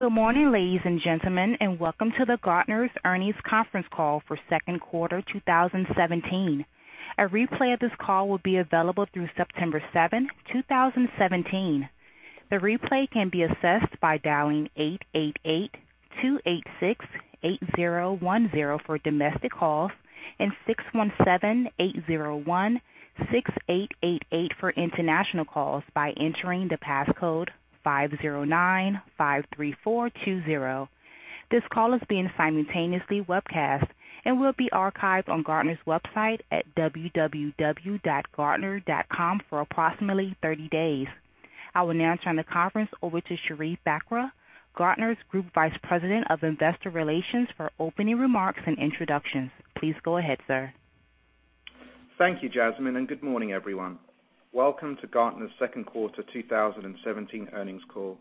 Good morning, ladies and gentlemen, and welcome to the Gartner's Earnings Conference Call for Second Quarter 2017. A replay of this call will be available through September 7, 2017. The replay can be accessed by dialing 888-286-8010 for domestic calls, and 617-801-6888 for international calls, by entering the passcode 50953420. This call is being simultaneously webcast and will be archived on Gartner's website at www.gartner.com for approximately 30 days. I will now turn the conference over to Sherief Bakr, Gartner's Group Vice President of Investor Relations for opening remarks and introductions. Please go ahead, sir. Thank you, Jasmine. Good morning, everyone. Welcome to Gartner's second quarter 2017 earnings call.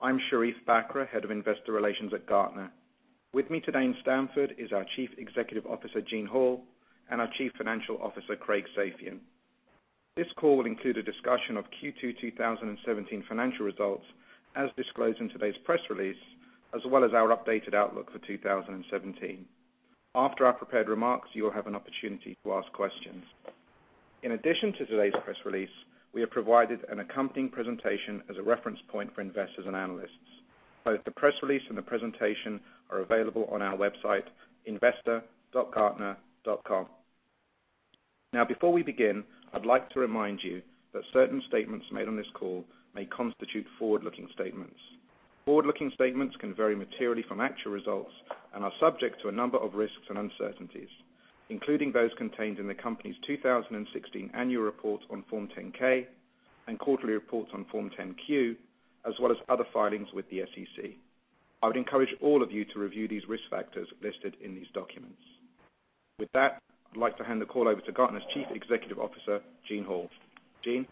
I'm Sherief Bakr, Head of Investor Relations at Gartner. With me today in Stamford is our Chief Executive Officer, Gene Hall, and our Chief Financial Officer, Craig Safian. This call will include a discussion of Q2 2017 financial results as disclosed in today's press release, as well as our updated outlook for 2017. After our prepared remarks, you will have an opportunity to ask questions. In addition to today's press release, we have provided an accompanying presentation as a reference point for investors and analysts. Both the press release and the presentation are available on our website, investor.gartner.com. Before we begin, I'd like to remind you that certain statements made on this call may constitute forward-looking statements. Forward-looking statements can vary materially from actual results and are subject to a number of risks and uncertainties, including those contained in the company's 2016 annual report on Form 10-K and quarterly reports on Form 10-Q, as well as other filings with the SEC. I would encourage all of you to review these risk factors listed in these documents. With that, I'd like to hand the call over to Gartner's Chief Executive Officer, Gene Hall. Gene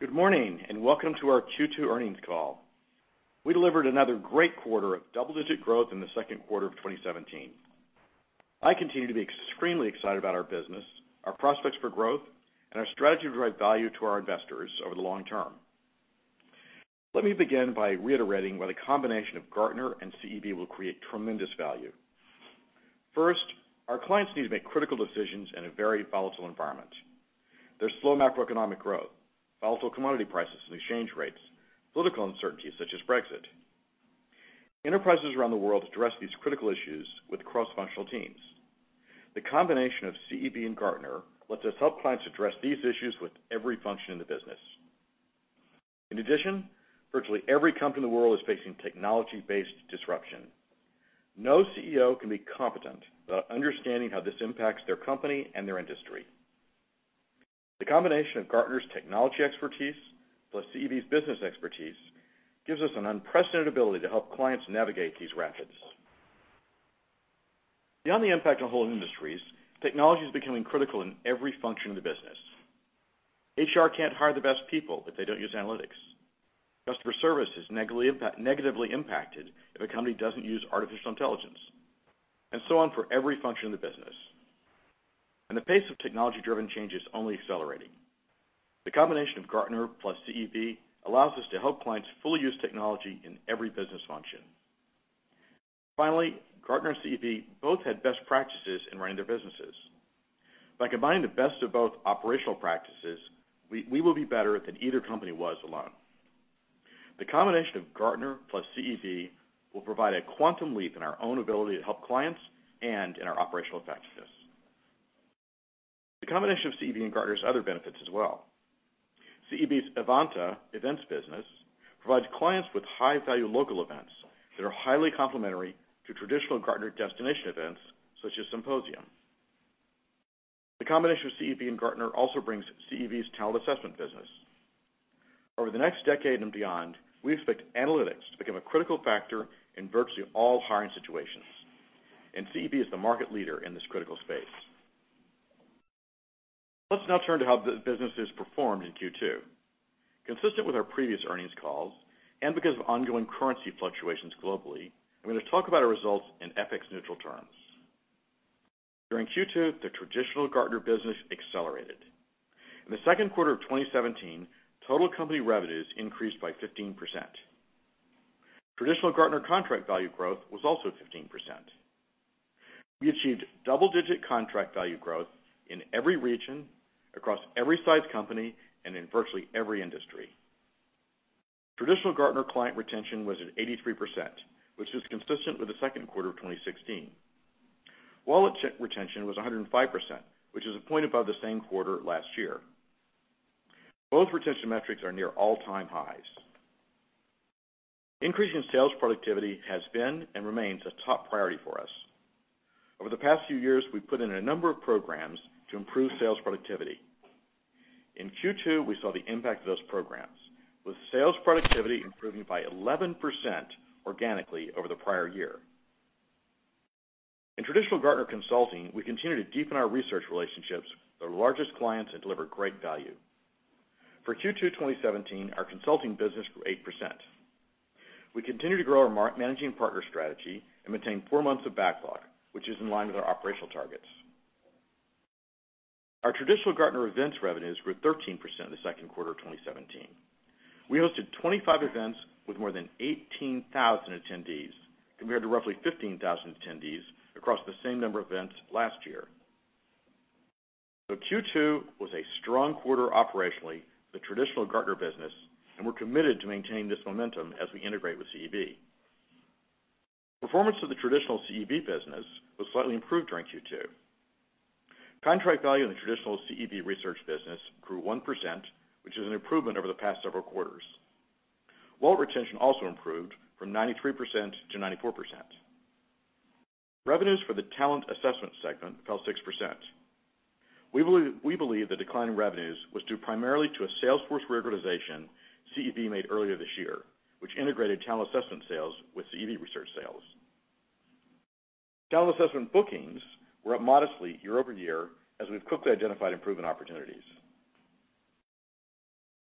Good morning, and welcome to our Q2 earnings call. We delivered another great quarter of double-digit growth in the second quarter of 2017. I continue to be extremely excited about our business, our prospects for growth, and our strategy to drive value to our investors over the long term. Let me begin by reiterating why the combination of Gartner and CEB will create tremendous value. First, our clients need to make critical decisions in a very volatile environment. There's slow macroeconomic growth, volatile commodity prices and exchange rates, political uncertainties such as Brexit. Enterprises around the world address these critical issues with cross-functional teams. The combination of CEB and Gartner lets us help clients address these issues with every function in the business. In addition, virtually every company in the world is facing technology-based disruption. No CEO can be competent without understanding how this impacts their company and their industry. The combination of Gartner's technology expertise plus CEB's business expertise gives us an unprecedented ability to help clients navigate these rapids. Beyond the impact on whole industries, technology is becoming critical in every function of the business. HR can't hire the best people if they don't use analytics. Customer service is negatively impacted if a company doesn't use artificial intelligence, and so on for every function in the business. The pace of technology-driven change is only accelerating. The combination of Gartner plus CEB allows us to help clients fully use technology in every business function. Finally, Gartner and CEB both had best practices in running their businesses. By combining the best of both operational practices, we will be better than either company was alone. The combination of Gartner plus CEB will provide a quantum leap in our own ability to help clients and in our operational practices. The combination of CEB and Gartner has other benefits as well. CEB's Evanta events business provides clients with high-value local events that are highly complementary to traditional Gartner destination events such as Symposium. The combination of CEB and Gartner also brings CEB's talent assessment business. Over the next decade and beyond, we expect analytics to become a critical factor in virtually all hiring situations, and CEB is the market leader in this critical space. Let's now turn to how the business has performed in Q2. Consistent with our previous earnings calls, and because of ongoing currency fluctuations globally, I'm gonna talk about our results in FX-neutral terms. During Q2, the traditional Gartner business accelerated. In the second quarter of 2017, total company revenues increased by 15%. Traditional Gartner contract value growth was also 15%. We achieved double-digit contract value growth in every region, across every size company, and in virtually every industry. Traditional Gartner client retention was at 83%, which is consistent with the second quarter of 2016. Wallet retention was 105%, which is a point above the same quarter last year. Both retention metrics are near all-time highs. Increasing sales productivity has been and remains a top priority for us. Over the past few years, we've put in a number of programs to improve sales productivity. In Q2, we saw the impact of those programs, with sales productivity improving by 11% organically over the prior year. In traditional Gartner consulting, we continue to deepen our research relationships with our largest clients and deliver great value. For Q2 2017, our consulting business grew 8%. We continue to grow our managing partner strategy and maintain four months of backlog, which is in line with our operational targets. Our traditional Gartner Events revenues grew 13% in the second quarter of 2017. We hosted 25 events with more than 18,000 attendees, compared to roughly 15,000 attendees across the same number of events last year. Q2 was a strong quarter operationally, the traditional Gartner business, and we're committed to maintain this momentum as we integrate with CEB. Performance of the traditional CEB business was slightly improved during Q2. Contract value in the traditional CEB research business grew 1%, which is an improvement over the past several quarters. Wallet retention also improved from 93%-94%. Revenues for the talent assessment segment fell 6%. We believe the decline in revenues was due primarily to a sales force reorganization CEB made earlier this year, which integrated talent assessment sales with CEB research sales. Talent assessment bookings were up modestly year-over-year, as we've quickly identified improvement opportunities.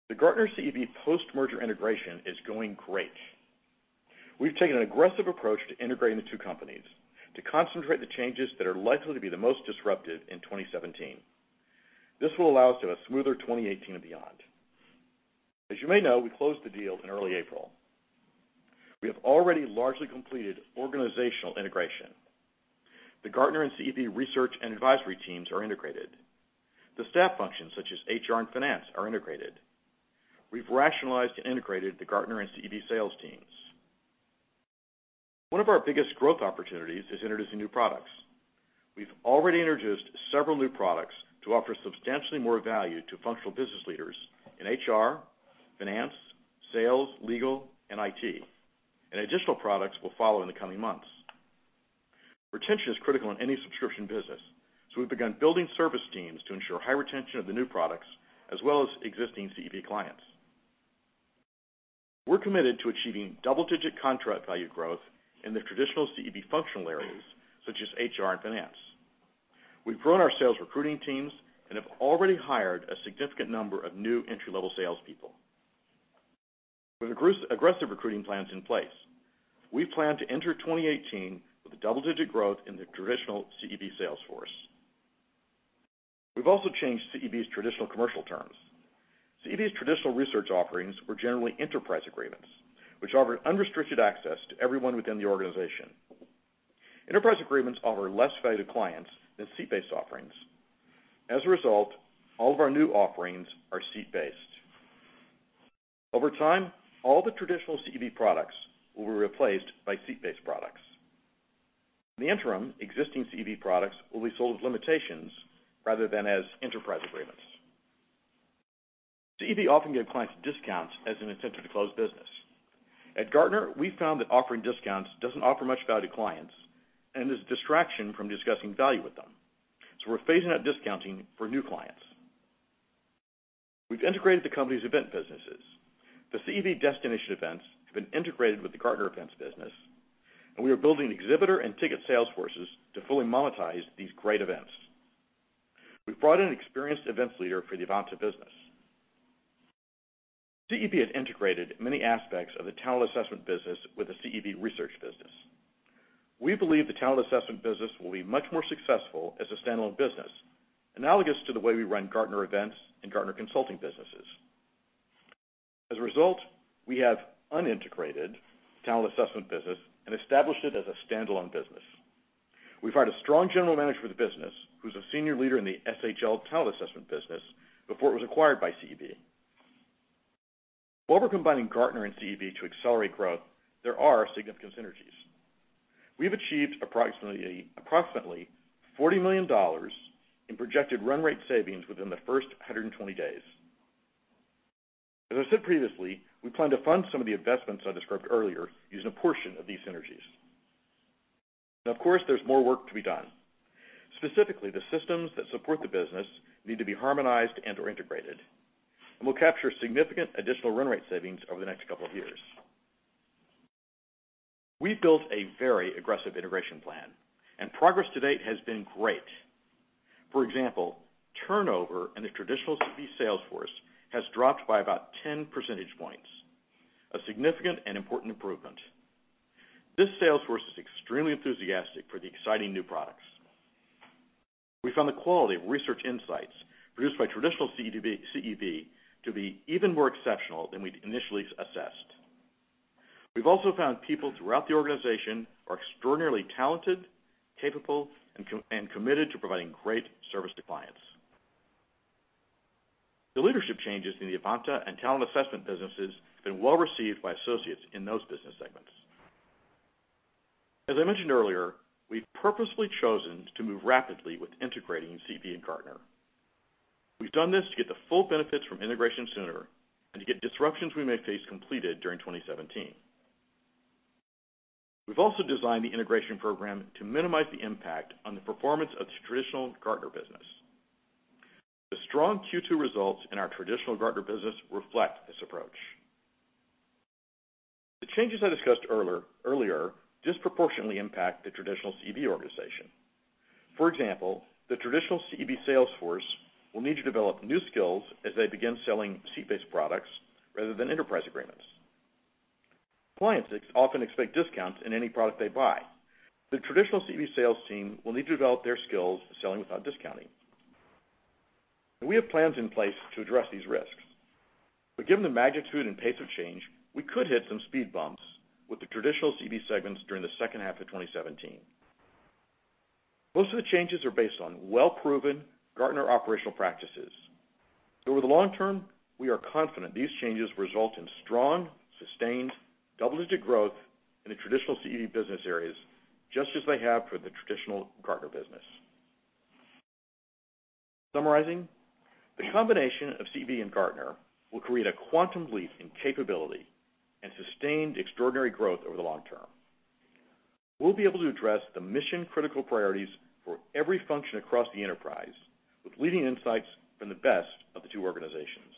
The Gartner CEB post-merger integration is going great. We've taken an aggressive approach to integrating the two companies to concentrate the changes that are likely to be the most disruptive in 2017. This will allow us to have a smoother 2018 and beyond. As you may know, we closed the deal in early April. We have already largely completed organizational integration. The Gartner and CEB research and advisory teams are integrated. The staff functions, such as HR and finance, are integrated. We've rationalized and integrated the Gartner and CEB sales teams. One of our biggest growth opportunities is introducing new products. We've already introduced several new products to offer substantially more value to functional business leaders in HR, finance, sales, legal, and IT, and additional products will follow in the coming months. Retention is critical in any subscription business, so we've begun building service teams to ensure high retention of the new products as well as existing CEB clients. We're committed to achieving double-digit contract value growth in the traditional CEB functional areas, such as HR and finance. We've grown our sales recruiting teams and have already hired a significant number of new entry-level salespeople. With aggressive recruiting plans in place, we plan to enter 2018 with a double-digit growth in the traditional CEB sales force. We've also changed CEB's traditional commercial terms. CEB's traditional research offerings were generally enterprise agreements, which offered unrestricted access to everyone within the organization. Enterprise agreements offer less value to clients than seat-based offerings. As a result, all of our new offerings are seat based. Over time, all the traditional CEB products will be replaced by seat-based products. In the interim, existing CEB products will be sold with limitations rather than as enterprise agreements. CEB often gave clients discounts as an incentive to close business. At Gartner, we found that offering discounts doesn't offer much value to clients and is a distraction from discussing value with them, so we're phasing out discounting for new clients. We've integrated the company's event businesses. The CEB destination events have been integrated with the Gartner events business, and we are building exhibitor and ticket sales forces to fully monetize these great events. We've brought in an experienced events leader for the Evanta business. CEB has integrated many aspects of the talent assessment business with the CEB research business. We believe the talent assessment business will be much more successful as a standalone business, analogous to the way we run Gartner events and Gartner consulting businesses. As a result, we have unintegrated talent assessment business and established it as a standalone business. We've hired a strong general manager for the business who's a senior leader in the SHL talent assessment business before it was acquired by CEB. While we're combining Gartner and CEB to accelerate growth, there are significant synergies. We've achieved approximately $40 million in projected run rate savings within the first 120 days. As I said previously, we plan to fund some of the investments I described earlier using a portion of these synergies. Of course, there's more work to be done. Specifically, the systems that support the business need to be harmonized and/or integrated, and we'll capture significant additional run rate savings over the next couple of years. We've built a very aggressive integration plan, and progress to date has been great. For example, turnover in the traditional CEB sales force has dropped by about 10 percentage points, a significant and important improvement. This sales force is extremely enthusiastic for the exciting new products. We found the quality of research insights produced by traditional CEB to be even more exceptional than we'd initially assessed. We've also found people throughout the organization are extraordinarily talented, capable, and committed to providing great service to clients. The leadership changes in the Evanta and talent assessment businesses have been well received by associates in those business segments. As I mentioned earlier, we've purposefully chosen to move rapidly with integrating CEB and Gartner. We've done this to get the full benefits from integration sooner and to get disruptions we may face completed during 2017. We've also designed the integration program to minimize the impact on the performance of the traditional Gartner business. The strong Q2 results in our traditional Gartner business reflect this approach. The changes I discussed earlier disproportionately impact the traditional CEB organization. For example, the traditional CEB sales force will need to develop new skills as they begin selling seat-based products rather than enterprise agreements. Clients often expect discounts in any product they buy. The traditional CEB sales team will need to develop their skills selling without discounting. We have plans in place to address these risks. Given the magnitude and pace of change, we could hit some speed bumps with the traditional CEB segments during the second half of 2017. Most of the changes are based on well-proven Gartner operational practices. Over the long term, we are confident these changes result in strong, sustained double-digit growth in the traditional CEB business areas, just as they have for the traditional Gartner business. Summarizing, the combination of CEB and Gartner will create a quantum leap in capability and sustained extraordinary growth over the long term. We'll be able to address the mission-critical priorities for every function across the enterprise with leading insights from the best of the two organizations.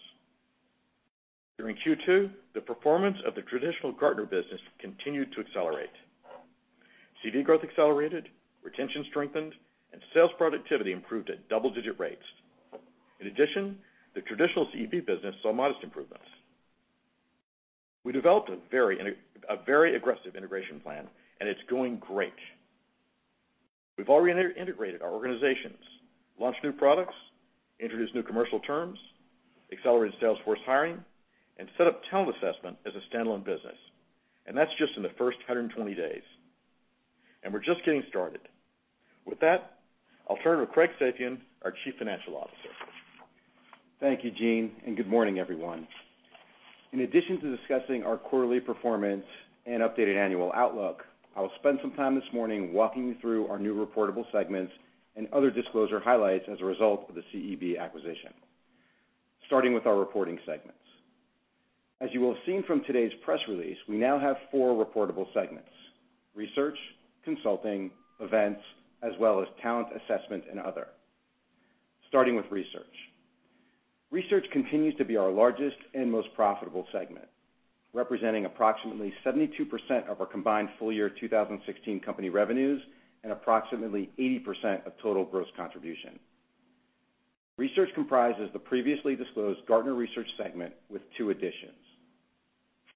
During Q2, the performance of the traditional Gartner business continued to accelerate. CEB growth accelerated, retention strengthened, and sales productivity improved at double-digit rates. In addition, the traditional CEB business saw modest improvements. We developed a very aggressive integration plan, it's going great. We've already integrated our organizations, launched new products, introduced new commercial terms, accelerated sales force hiring, and set up talent assessment as a standalone business. That's just in the first 120 days. We're just getting started. With that, I'll turn it over to Craig Safian, our Chief Financial Officer. Thank you, Gene, and good morning, everyone. In addition to discussing our quarterly performance and updated annual outlook, I will spend some time this morning walking you through our new reportable segments and other disclosure highlights as a result of the CEB acquisition. Starting with our reporting segments. As you will have seen from today's press release, we now have four reportable segments: Research, Consulting, Events, as well as Talent Assessment and Other. Starting with Research. Research continues to be our largest and most profitable segment, representing approximately 72% of our combined full year 2016 company revenues, and approximately 80% of total gross contribution. Research comprises the previously disclosed Gartner Research segment with two additions.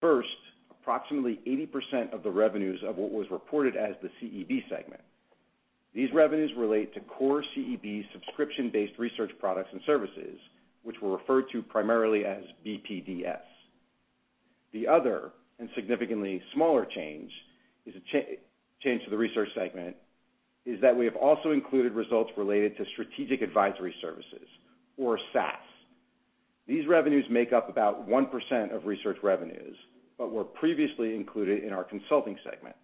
First, approximately 80% of the revenues of what was reported as the CEB segment. These revenues relate to core CEB subscription-based research products and services, which we'll refer to primarily as BPDS. The other, and significantly smaller change, is a change to the research segment, is that we have also included results related to strategic advisory services, or SAS. These revenues make up about 1% of research revenues, but were previously included in our consulting segment.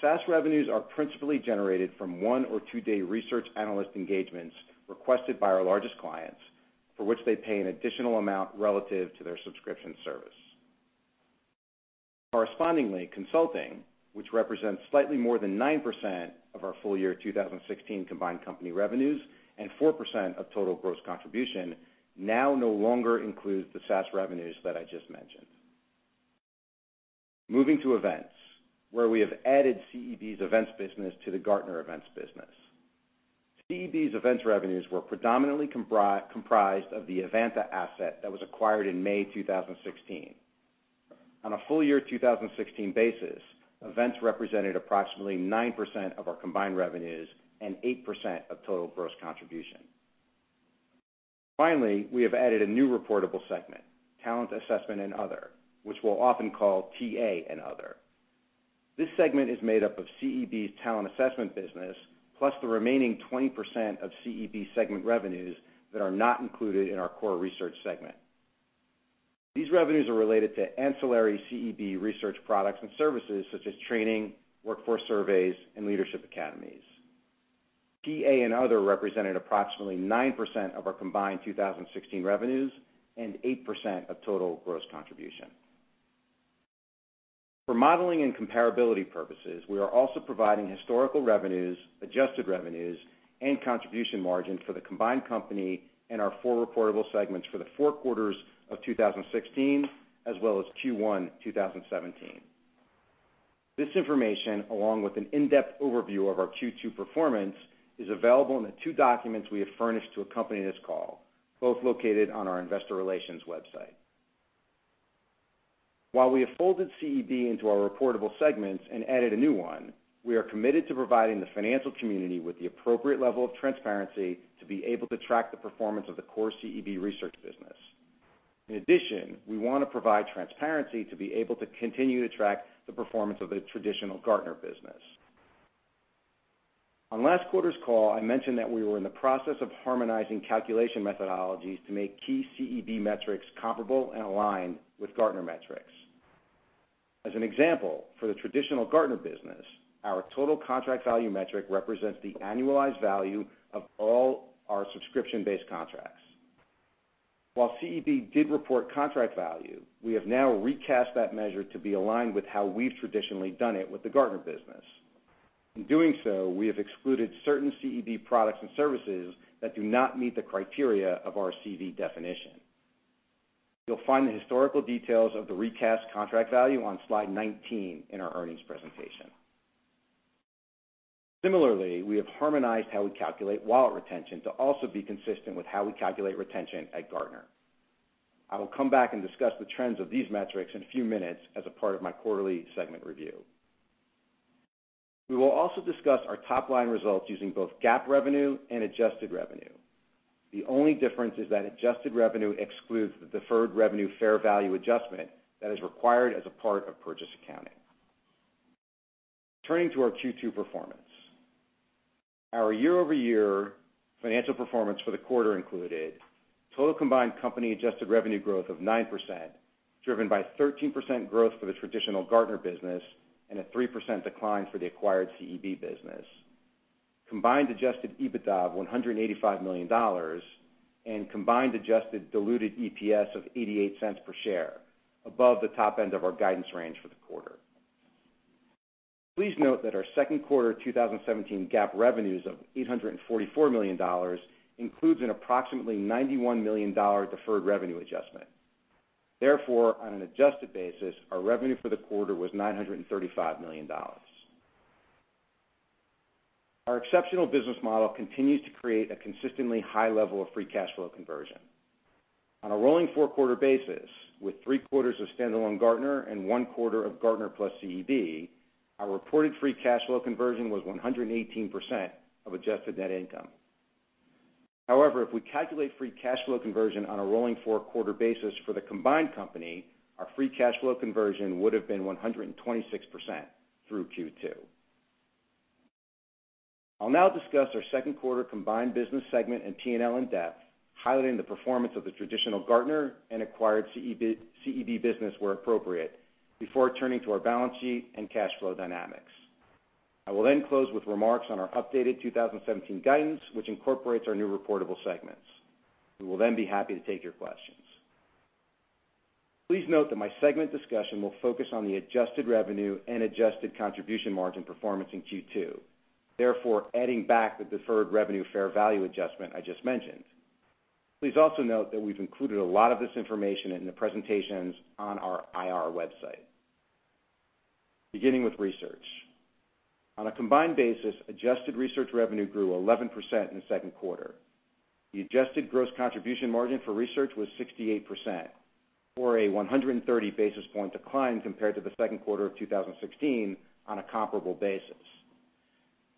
SAS revenues are principally generated from one or two-day research analyst engagements requested by our largest clients, for which they pay an additional amount relative to their subscription service. Correspondingly, consulting, which represents slightly more than 9% of our full year 2016 combined company revenues and 4% of total gross contribution, now no longer includes the SAS revenues that I just mentioned. Moving to events, where we have added CEB's events business to the Gartner events business. CEB's events revenues were predominantly comprised of the Evanta asset that was acquired in May 2016. On a full year 2016 basis, events represented approximately 9% of our combined revenues and 8% of total gross contribution. We have added a new reportable segment, Talent Assessment and Other, which we'll often call TA and Other. This segment is made up of CEB's Talent Assessment business, plus the remaining 20% of CEB segment revenues that are not included in our core research segment. These revenues are related to ancillary CEB research products and services such as training, workforce surveys, and leadership academies. TA and Other represented approximately 9% of our combined 2016 revenues and 8% of total gross contribution. For modeling and comparability purposes, we are also providing historical revenues, adjusted revenues, and contribution margin for the combined company and our four reportable segments for the four quarters of 2016, as well as Q1 2017. This information, along with an in-depth overview of our Q2 performance, is available in the two documents we have furnished to accompany this call, both located on our investor relations website. While we have folded CEB into our reportable segments and added a new one, we are committed to providing the financial community with the appropriate level of transparency to be able to track the performance of the core CEB research business. In addition, we wanna provide transparency to be able to continue to track the performance of the traditional Gartner business. On last quarter's call, I mentioned that we were in the process of harmonizing calculation methodologies to make key CEB metrics comparable and aligned with Gartner metrics. As an example, for the traditional Gartner business, our total contract value metric represents the annualized value of all our subscription-based contracts. While CEB did report contract value, we have now recast that measure to be aligned with how we've traditionally done it with the Gartner business. In doing so, we have excluded certain CEB products and services that do not meet the criteria of our CV definition. You'll find the historical details of the recast contract value on slide 19 in our earnings presentation. Similarly, we have harmonized how we calculate wallet retention to also be consistent with how we calculate retention at Gartner. I will come back and discuss the trends of these metrics in a few minutes as a part of my quarterly segment review. We will also discuss our top-line results using both GAAP revenue and adjusted revenue. The only difference is that adjusted revenue excludes the deferred revenue fair value adjustment that is required as a part of purchase accounting. Turning to our Q2 performance. Our year-over-year financial performance for the quarter included total combined company adjusted revenue growth of 9%, driven by 13% growth for the traditional Gartner business and a 3% decline for the acquired CEB business. Combined adjusted EBITDA of $185 million and combined adjusted diluted EPS of $0.88 per share, above the top end of our guidance range for the quarter. Please note that our second quarter 2017 GAAP revenues of $844 million includes an approximately $91 million deferred revenue adjustment. On an adjusted basis, our revenue for the quarter was $935 million. Our exceptional business model continues to create a consistently high level of free cash flow conversion. On a rolling four-quarter basis, with three quarters of standalone Gartner and one quarter of Gartner plus CEB, our reported free cash flow conversion was 118% of adjusted net income. If we calculate free cash flow conversion on a rolling four-quarter basis for the combined company, our free cash flow conversion would have been 126% through Q2. I'll now discuss our second quarter combined business segment and P&L in depth, highlighting the performance of the traditional Gartner and acquired CEB business where appropriate, before turning to our balance sheet and cash flow dynamics. I will then close with remarks on our updated 2017 guidance, which incorporates our new reportable segments. We will then be happy to take your questions. Please note that my segment discussion will focus on the adjusted revenue and adjusted contribution margin performance in Q2, therefore adding back the deferred revenue fair value adjustment I just mentioned. Please also note that we've included a lot of this information in the presentations on our IR website. Beginning with research. On a combined basis, adjusted research revenue grew 11% in the second quarter. The adjusted gross contribution margin for research was 68% or a 130 basis point decline compared to the second quarter of 2016 on a comparable basis.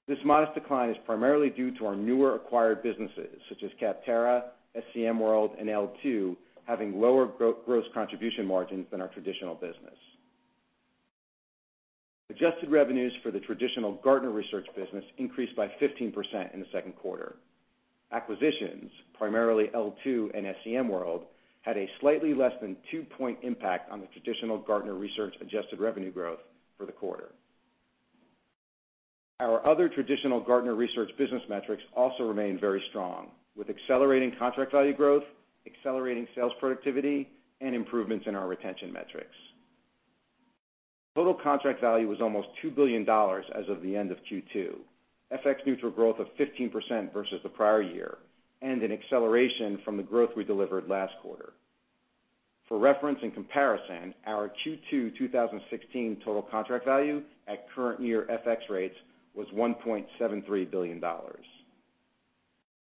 This modest decline is primarily due to our newer acquired businesses, such as Capterra, SCM World, and L2, having lower gross contribution margins than our traditional business. Adjusted revenues for the traditional Gartner research business increased by 15% in the second quarter. Acquisitions, primarily L2 and SCM World, had a slightly less than two-point impact on the traditional Gartner research adjusted revenue growth for the quarter. Our other traditional Gartner research business metrics also remain very strong, with accelerating contract value growth, accelerating sales productivity, and improvements in our retention metrics. Total contract value was almost $2 billion as of the end of Q2, FX neutral growth of 15% versus the prior year, and an acceleration from the growth we delivered last quarter. For reference and comparison, our Q2 2016 total contract value at current year FX rates was $1.73 billion. On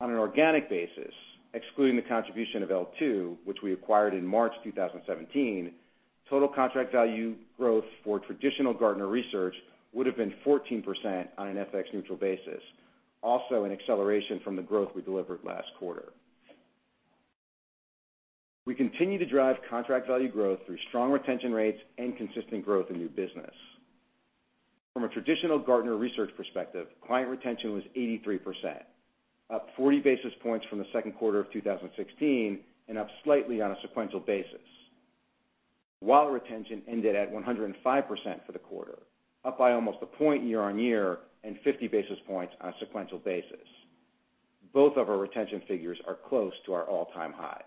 an organic basis, excluding the contribution of L2, which we acquired in March 2017, total contract value growth for traditional Gartner research would have been 14% on an FX neutral basis. Also an acceleration from the growth we delivered last quarter. We continue to drive contract value growth through strong retention rates and consistent growth in new business. From a traditional Gartner research perspective, client retention was 83%, up 40 basis points from the second quarter of 2016 and up slightly on a sequential basis. Wallet retention ended at 105% for the quarter, up by almost 1 point year-on-year and 50 basis points on a sequential basis. Both of our retention figures are close to our all-time highs.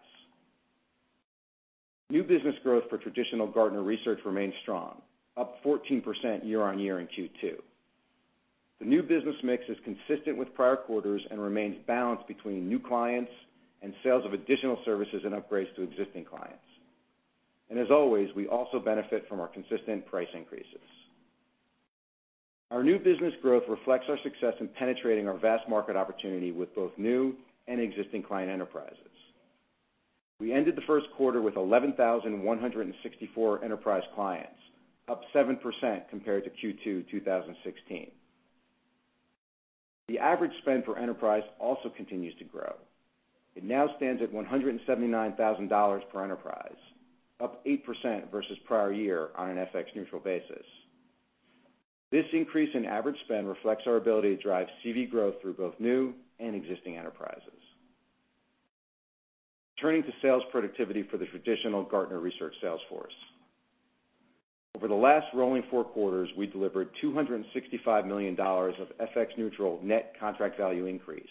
New business growth for traditional Gartner research remains strong, up 14% year-on-year in Q2. The new business mix is consistent with prior quarters and remains balanced between new clients and sales of additional services and upgrades to existing clients. As always, we also benefit from our consistent price increases. Our new business growth reflects our success in penetrating our vast market opportunity with both new and existing client enterprises. We ended the first quarter with 11,164 enterprise clients, up 7% compared to Q2 2016. The average spend per enterprise also continues to grow. It now stands at $179,000 per enterprise, up 8% versus prior year on an FX neutral basis. This increase in average spend reflects our ability to drive CV growth through both new and existing enterprises. Turning to sales productivity for the traditional Gartner Research sales force. Over the last rolling four quarters, we delivered $265 million of FX neutral net contract value increase,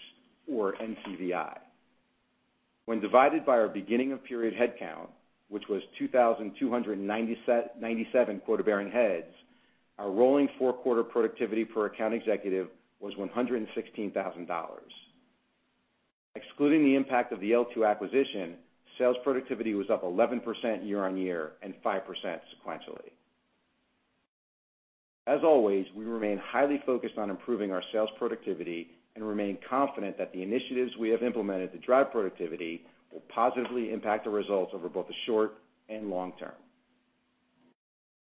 or NCVI. When divided by our beginning-of-period headcount, which was 2,297 quota-bearing heads, our rolling four-quarter productivity per account executive was $116,000. Excluding the impact of the L2 acquisition, sales productivity was up 11% year-on-year and 5% sequentially. As always, we remain highly focused on improving our sales productivity and remain confident that the initiatives we have implemented to drive productivity will positively impact the results over both the short and long term.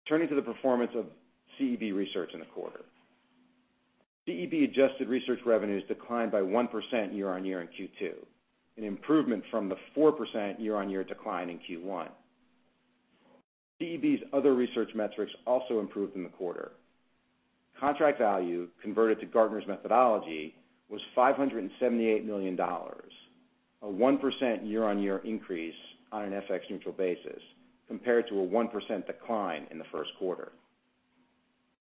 Turning to the performance of CEB research in the quarter. CEB adjusted research revenues declined by 1% year-on-year in Q2, an improvement from the 4% year-on-year decline in Q1. CEB's other research metrics also improved in the quarter. Contract value converted to Gartner's methodology was $578 million, a 1% year-on-year increase on an FX neutral basis compared to a 1% decline in the first quarter.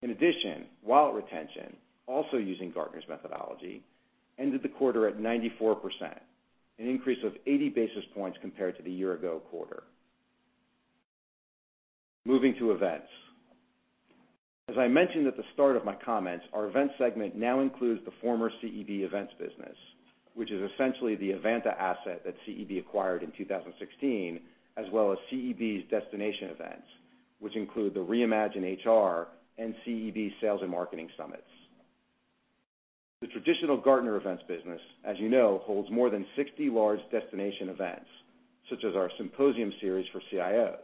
In addition, wallet retention, also using Gartner's methodology, ended the quarter at 94%, an increase of 80 basis points compared to the year ago quarter. Moving to events. As I mentioned at the start of my comments, our events segment now includes the former CEB events business, which is essentially the Evanta asset that CEB acquired in 2016, as well as CEB's destination events, which include the ReimagineHR and CEB Sales and Marketing Summits. The traditional Gartner events business, as you know, holds more than 60 large destination events, such as our Symposium series for CIOs.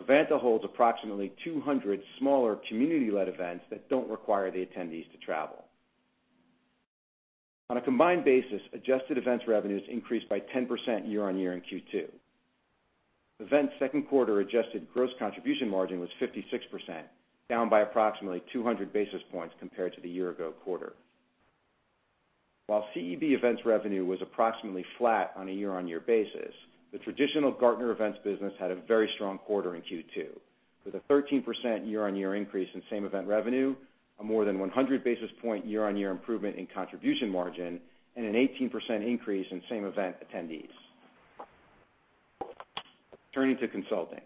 Evanta holds approximately 200 smaller community-led events that don't require the attendees to travel. On a combined basis, adjusted events revenues increased by 10% year-on-year in Q2. Events' second quarter adjusted gross contribution margin was 56%, down by approximately 200 basis points compared to the year-ago quarter. While CEB events revenue was approximately flat on a year-on-year basis, the traditional Gartner events business had a very strong quarter in Q2 with a 13% year-on-year increase in same event revenue, a more than 100 basis point year-on-year improvement in contribution margin, and an 18% increase in same event attendees. Turning to consulting.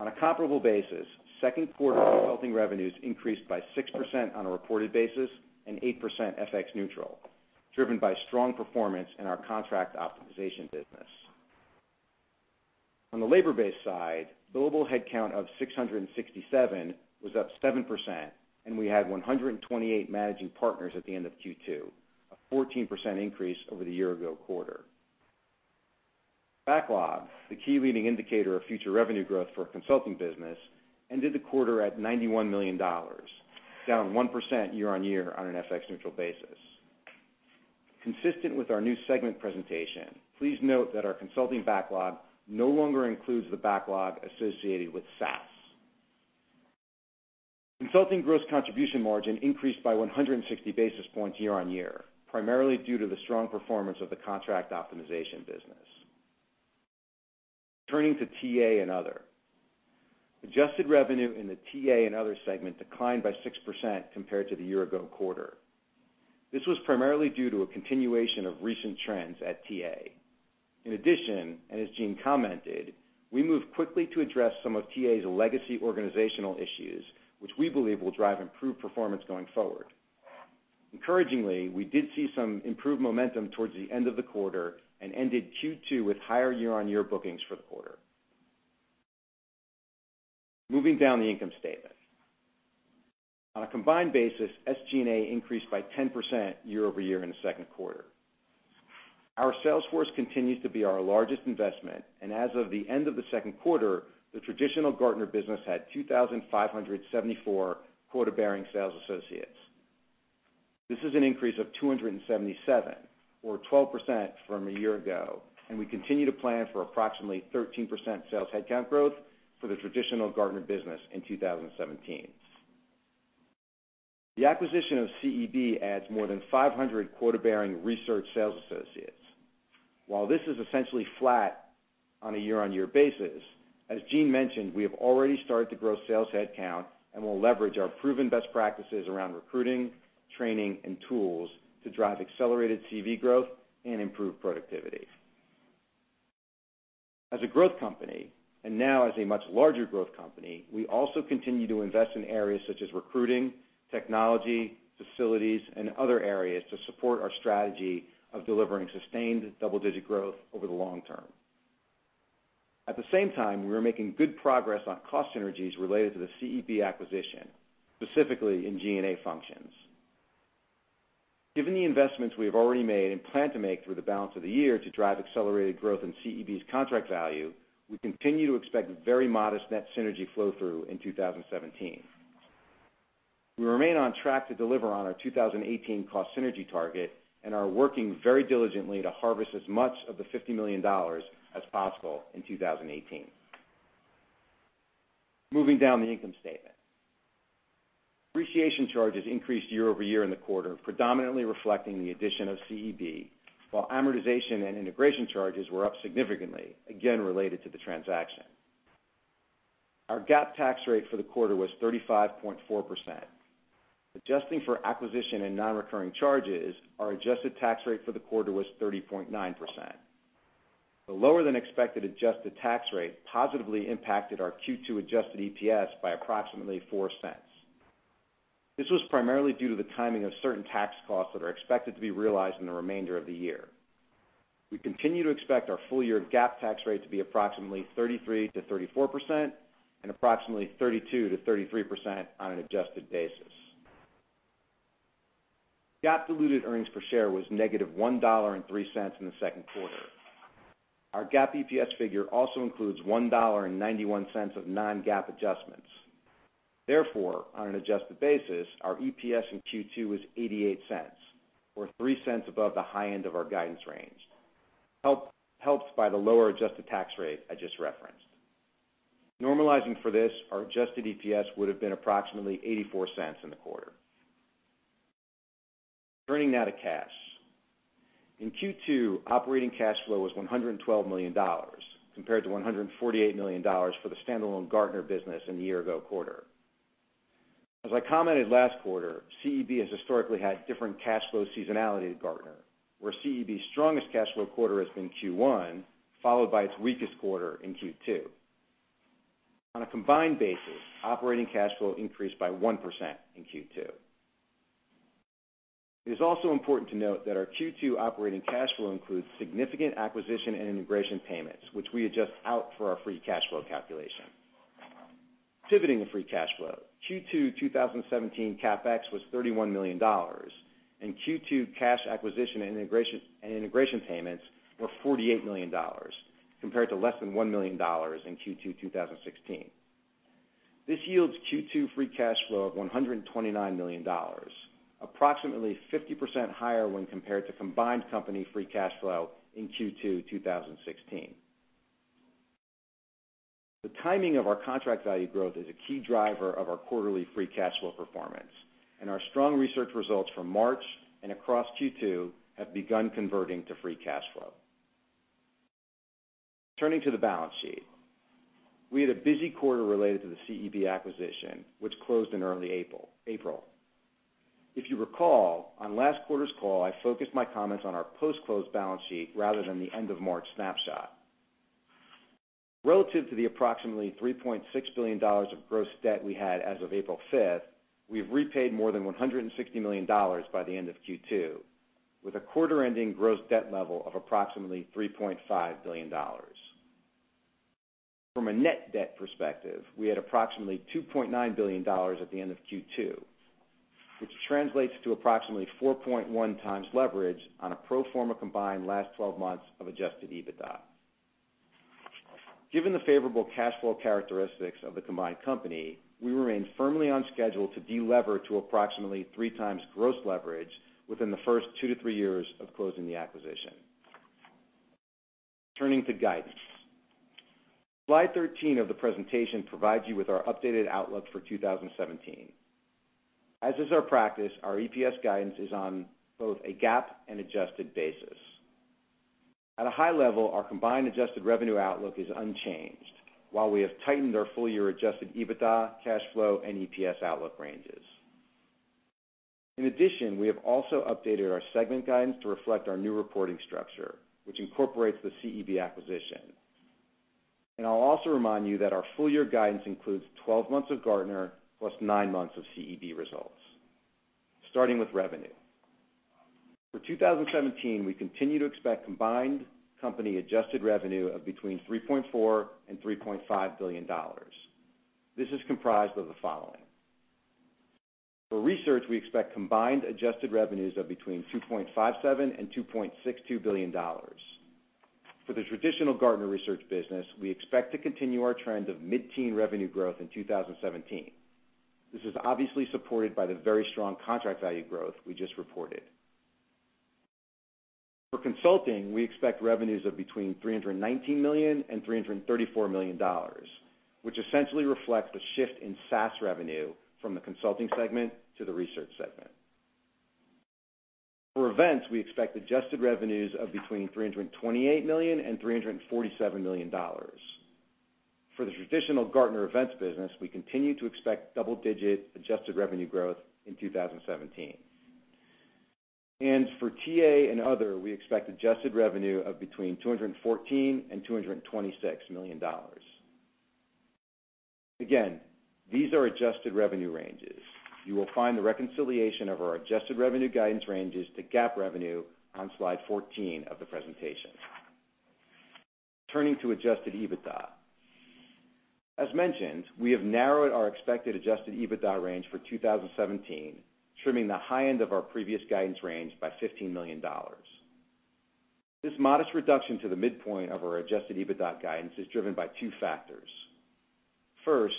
On a comparable basis, second quarter consulting revenues increased by 6% on a reported basis and 8% FX neutral, driven by strong performance in our contract optimization business. On the labor-based side, billable headcount of 667 was up 7%. We had 128 managing partners at the end of Q2, a 14% increase over the year-ago quarter. Backlog, the key leading indicator of future revenue growth for a consulting business, ended the quarter at $91 million, down 1% year-on-year on an FX-neutral basis. Consistent with our new segment presentation, please note that our consulting backlog no longer includes the backlog associated with SAS. Consulting gross contribution margin increased by 160 basis points year-on-year, primarily due to the strong performance of the contract optimization business. Turning to TA and Other. Adjusted revenue in the TA and Other segment declined by 6% compared to the year-ago quarter. This was primarily due to a continuation of recent trends at TA. In addition, and as Gene Hall commented, we moved quickly to address some of TA's legacy organizational issues, which we believe will drive improved performance going forward. Encouragingly, we did see some improved momentum towards the end of the quarter and ended Q2 with higher year-over-year bookings for the quarter. Moving down the income statement. On a combined basis, SG&A increased by 10% year-over-year in the second quarter. Our sales force continues to be our largest investment, and as of the end of the second quarter, the traditional Gartner business had 2,574 quota-bearing sales associates. This is an increase of 277 or 12% from a year ago, and we continue to plan for approximately 13% sales headcount growth for the traditional Gartner business in 2017. The acquisition of CEB adds more than 500 quota-bearing research sales associates. While this is essentially flat on a year-over-year basis, as Gene mentioned, we have already started to grow sales headcount and will leverage our proven best practices around recruiting, training, and tools to drive accelerated CV growth and improve productivity. As a growth company, and now as a much larger growth company, we also continue to invest in areas such as recruiting, technology, facilities, and other areas to support our strategy of delivering sustained double-digit growth over the long term. At the same time, we are making good progress on cost synergies related to the CEB acquisition, specifically in G&A functions. Given the investments we have already made and plan to make through the balance of the year to drive accelerated growth in CEB's contract value, we continue to expect very modest net synergy flow through in 2017. We remain on track to deliver on our 2018 cost synergy target and are working very diligently to harvest as much of the $50 million as possible in 2018. Moving down the income statement. Depreciation charges increased year-over-year in the quarter, predominantly reflecting the addition of CEB, while amortization and integration charges were up significantly, again related to the transaction. Our GAAP tax rate for the quarter was 35.4%. Adjusting for acquisition and non-recurring charges, our adjusted tax rate for the quarter was 30.9%. The lower-than-expected adjusted tax rate positively impacted our Q2 adjusted EPS by approximately $0.04. This was primarily due to the timing of certain tax costs that are expected to be realized in the remainder of the year. We continue to expect our full-year GAAP tax rate to be approximately 33%-34% and approximately 32%-33% on an adjusted basis. GAAP diluted earnings per share was negative $1.03 in the second quarter. Our GAAP EPS figure also includes $1.91 of non-GAAP adjustments. On an adjusted basis, our EPS in Q2 was $0.88, or $0.03 above the high end of our guidance range, helped by the lower adjusted tax rate I just referenced. Normalizing for this, our adjusted EPS would have been approximately $0.84 in the quarter. Turning now to cash. In Q2, operating cash flow was $112 million compared to $148 million for the standalone Gartner business in the year ago quarter. As I commented last quarter, CEB has historically had different cash flow seasonality to Gartner, where CEB's strongest cash flow quarter has been Q1, followed by its weakest quarter in Q2. On a combined basis, operating cash flow increased by 1% in Q2. It is also important to note that our Q2 operating cash flow includes significant acquisition and integration payments, which we adjust out for our free cash flow calculation. Pivoting to free cash flow, Q2 2017 CapEx was $31 million, and Q2 cash acquisition and integration payments were $48 million compared to less than $1 million in Q2 2016. This yields Q2 free cash flow of $129 million, approximately 50% higher when compared to combined company free cash flow in Q2 2016. The timing of our contract value growth is a key driver of our quarterly free cash flow performance, and our strong research results from March and across Q2 have begun converting to free cash flow. Turning to the balance sheet. We had a busy quarter related to the CEB acquisition, which closed in early April. If you recall, on last quarter's call, I focused my comments on our post-close balance sheet rather than the end-of-March snapshot. Relative to the approximately $3.6 billion of gross debt we had as of April 5th, we have repaid more than $160 million by the end of Q2, with a quarter-ending gross debt level of approximately $3.5 billion. From a net debt perspective, we had approximately $2.9 billion at the end of Q2, which translates to approximately 4.1x leverage on a pro forma combined last 12 months of adjusted EBITDA. Given the favorable cash flow characteristics of the combined company, we remain firmly on schedule to delever to approximately 3x gross leverage within the first two to three years of closing the acquisition. Turning to guidance. Slide 13 of the presentation provides you with our updated outlook for 2017. As is our practice, our EPS guidance is on both a GAAP and adjusted basis. At a high level, our combined adjusted revenue outlook is unchanged, while we have tightened our full-year adjusted EBITDA, cash flow, and EPS outlook ranges. We have also updated our segment guidance to reflect our new reporting structure, which incorporates the CEB acquisition. I'll also remind you that our full-year guidance includes 12 months of Gartner plus nine months of CEB results. Starting with revenue. For 2017, we continue to expect combined company adjusted revenue of between $3.4 billion and $3.5 billion. This is comprised of the following. For research, we expect combined adjusted revenues of between $2.57 billion and $2.62 billion. For the traditional Gartner research business, we expect to continue our trend of mid-teen revenue growth in 2017. This is obviously supported by the very strong contract value growth we just reported. For consulting, we expect revenues of between $319 million and $334 million, which essentially reflect the shift in SAS revenue from the consulting segment to the research segment. For events, we expect adjusted revenues of between $328 million and $347 million. For the traditional Gartner events business, we continue to expect double-digit adjusted revenue growth in 2017. For TA and other, we expect adjusted revenue of between $214 million and $226 million. Again, these are adjusted revenue ranges. You will find the reconciliation of our adjusted revenue guidance ranges to GAAP revenue on slide 14 of the presentation. Turning to adjusted EBITDA. As mentioned, we have narrowed our expected adjusted EBITDA range for 2017, trimming the high end of our previous guidance range by $15 million. This modest reduction to the midpoint of our adjusted EBITDA guidance is driven by two factors. First,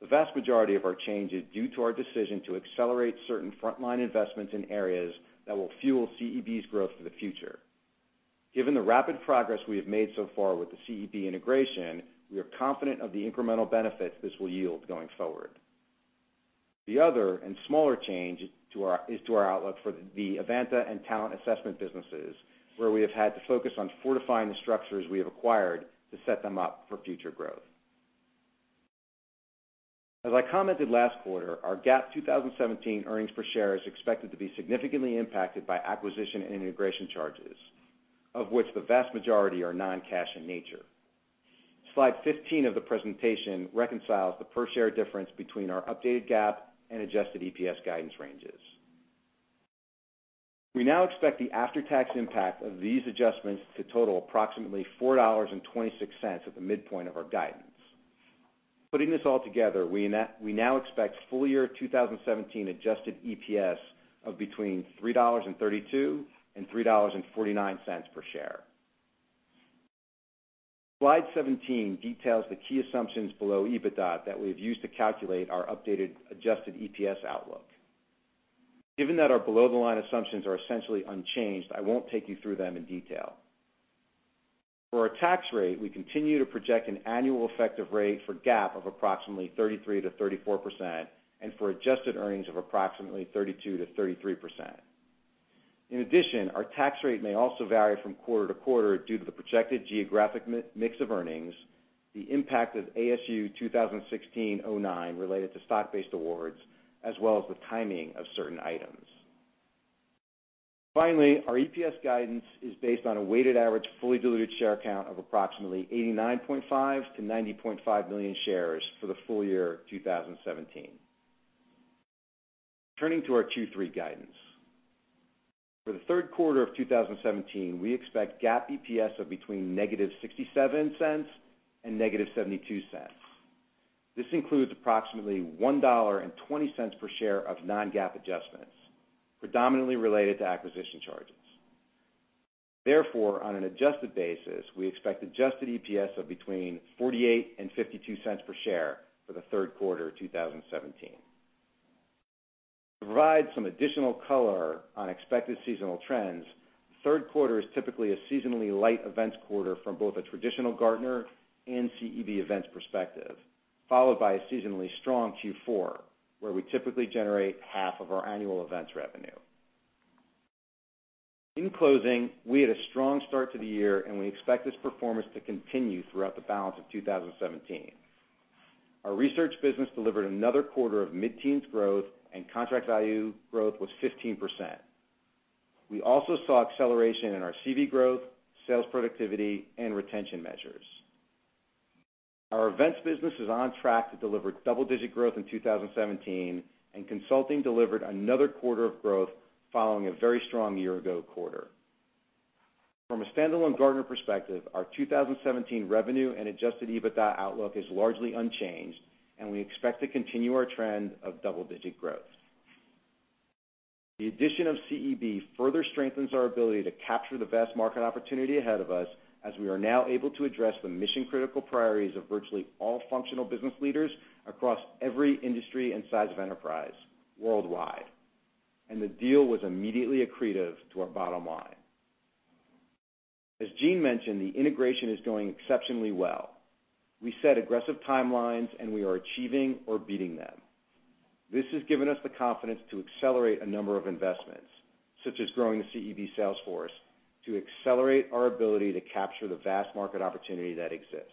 the vast majority of our change is due to our decision to accelerate certain frontline investments in areas that will fuel CEB's growth for the future. Given the rapid progress we have made so far with the CEB integration, we are confident of the incremental benefits this will yield going forward. The other and smaller change is to our outlook for the Evanta and Talent assessment businesses, where we have had to focus on fortifying the structures we have acquired to set them up for future growth. As I commented last quarter, our GAAP 2017 earnings per share is expected to be significantly impacted by acquisition and integration charges, of which the vast majority are non-cash in nature. Slide 15 of the presentation reconciles the per share difference between our updated GAAP and adjusted EPS guidance ranges. We now expect the after-tax impact of these adjustments to total approximately $4.26 at the midpoint of our guidance. Putting this all together, we now expect full year 2017 adjusted EPS of between $3.32 and $3.49 per share. Slide 17 details the key assumptions below EBITDA that we've used to calculate our updated adjusted EPS outlook. Given that our below-the-line assumptions are essentially unchanged, I won't take you through them in detail. For our tax rate, we continue to project an annual effective rate for GAAP of approximately 33%-34% and for adjusted earnings of approximately 32%-33%. In addition, our tax rate may also vary from quarter to quarter due to the projected geographic mix of earnings, the impact of ASU 2016-09 related to stock-based awards, as well as the timing of certain items. Finally, our EPS guidance is based on a weighted average fully diluted share count of approximately 89.5 million-90.5 million shares for the full year 2017. Turning to our Q3 guidance. For the third quarter of 2017, we expect GAAP EPS of between $-0.67 and $-0.72. This includes approximately $1.20 per share of non-GAAP adjustments, predominantly related to acquisition charges. Therefore, on an adjusted basis, we expect adjusted EPS of between $0.48 and $0.52 per share for the third quarter 2017. To provide some additional color on expected seasonal trends, third quarter is typically a seasonally light events quarter from both a traditional Gartner and CEB events perspective, followed by a seasonally strong Q4, where we typically generate half of our annual events revenue. In closing, we had a strong start to the year, and we expect this performance to continue throughout the balance of 2017. Our research business delivered another quarter of mid-teens growth and contract value growth was 15%. We also saw acceleration in our CV growth, sales productivity, and retention measures. Our events business is on track to deliver double-digit growth in 2017, and consulting delivered another quarter of growth following a very strong year ago quarter. From a standalone Gartner perspective, our 2017 revenue and adjusted EBITDA outlook is largely unchanged, and we expect to continue our trend of double-digit growth. The addition of CEB further strengthens our ability to capture the vast market opportunity ahead of us as we are now able to address the mission-critical priorities of virtually all functional business leaders across every industry and size of enterprise worldwide. The deal was immediately accretive to our bottom line. As Gene mentioned, the integration is going exceptionally well. We set aggressive timelines, and we are achieving or beating them. This has given us the confidence to accelerate a number of investments, such as growing the CEB sales force, to accelerate our ability to capture the vast market opportunity that exists.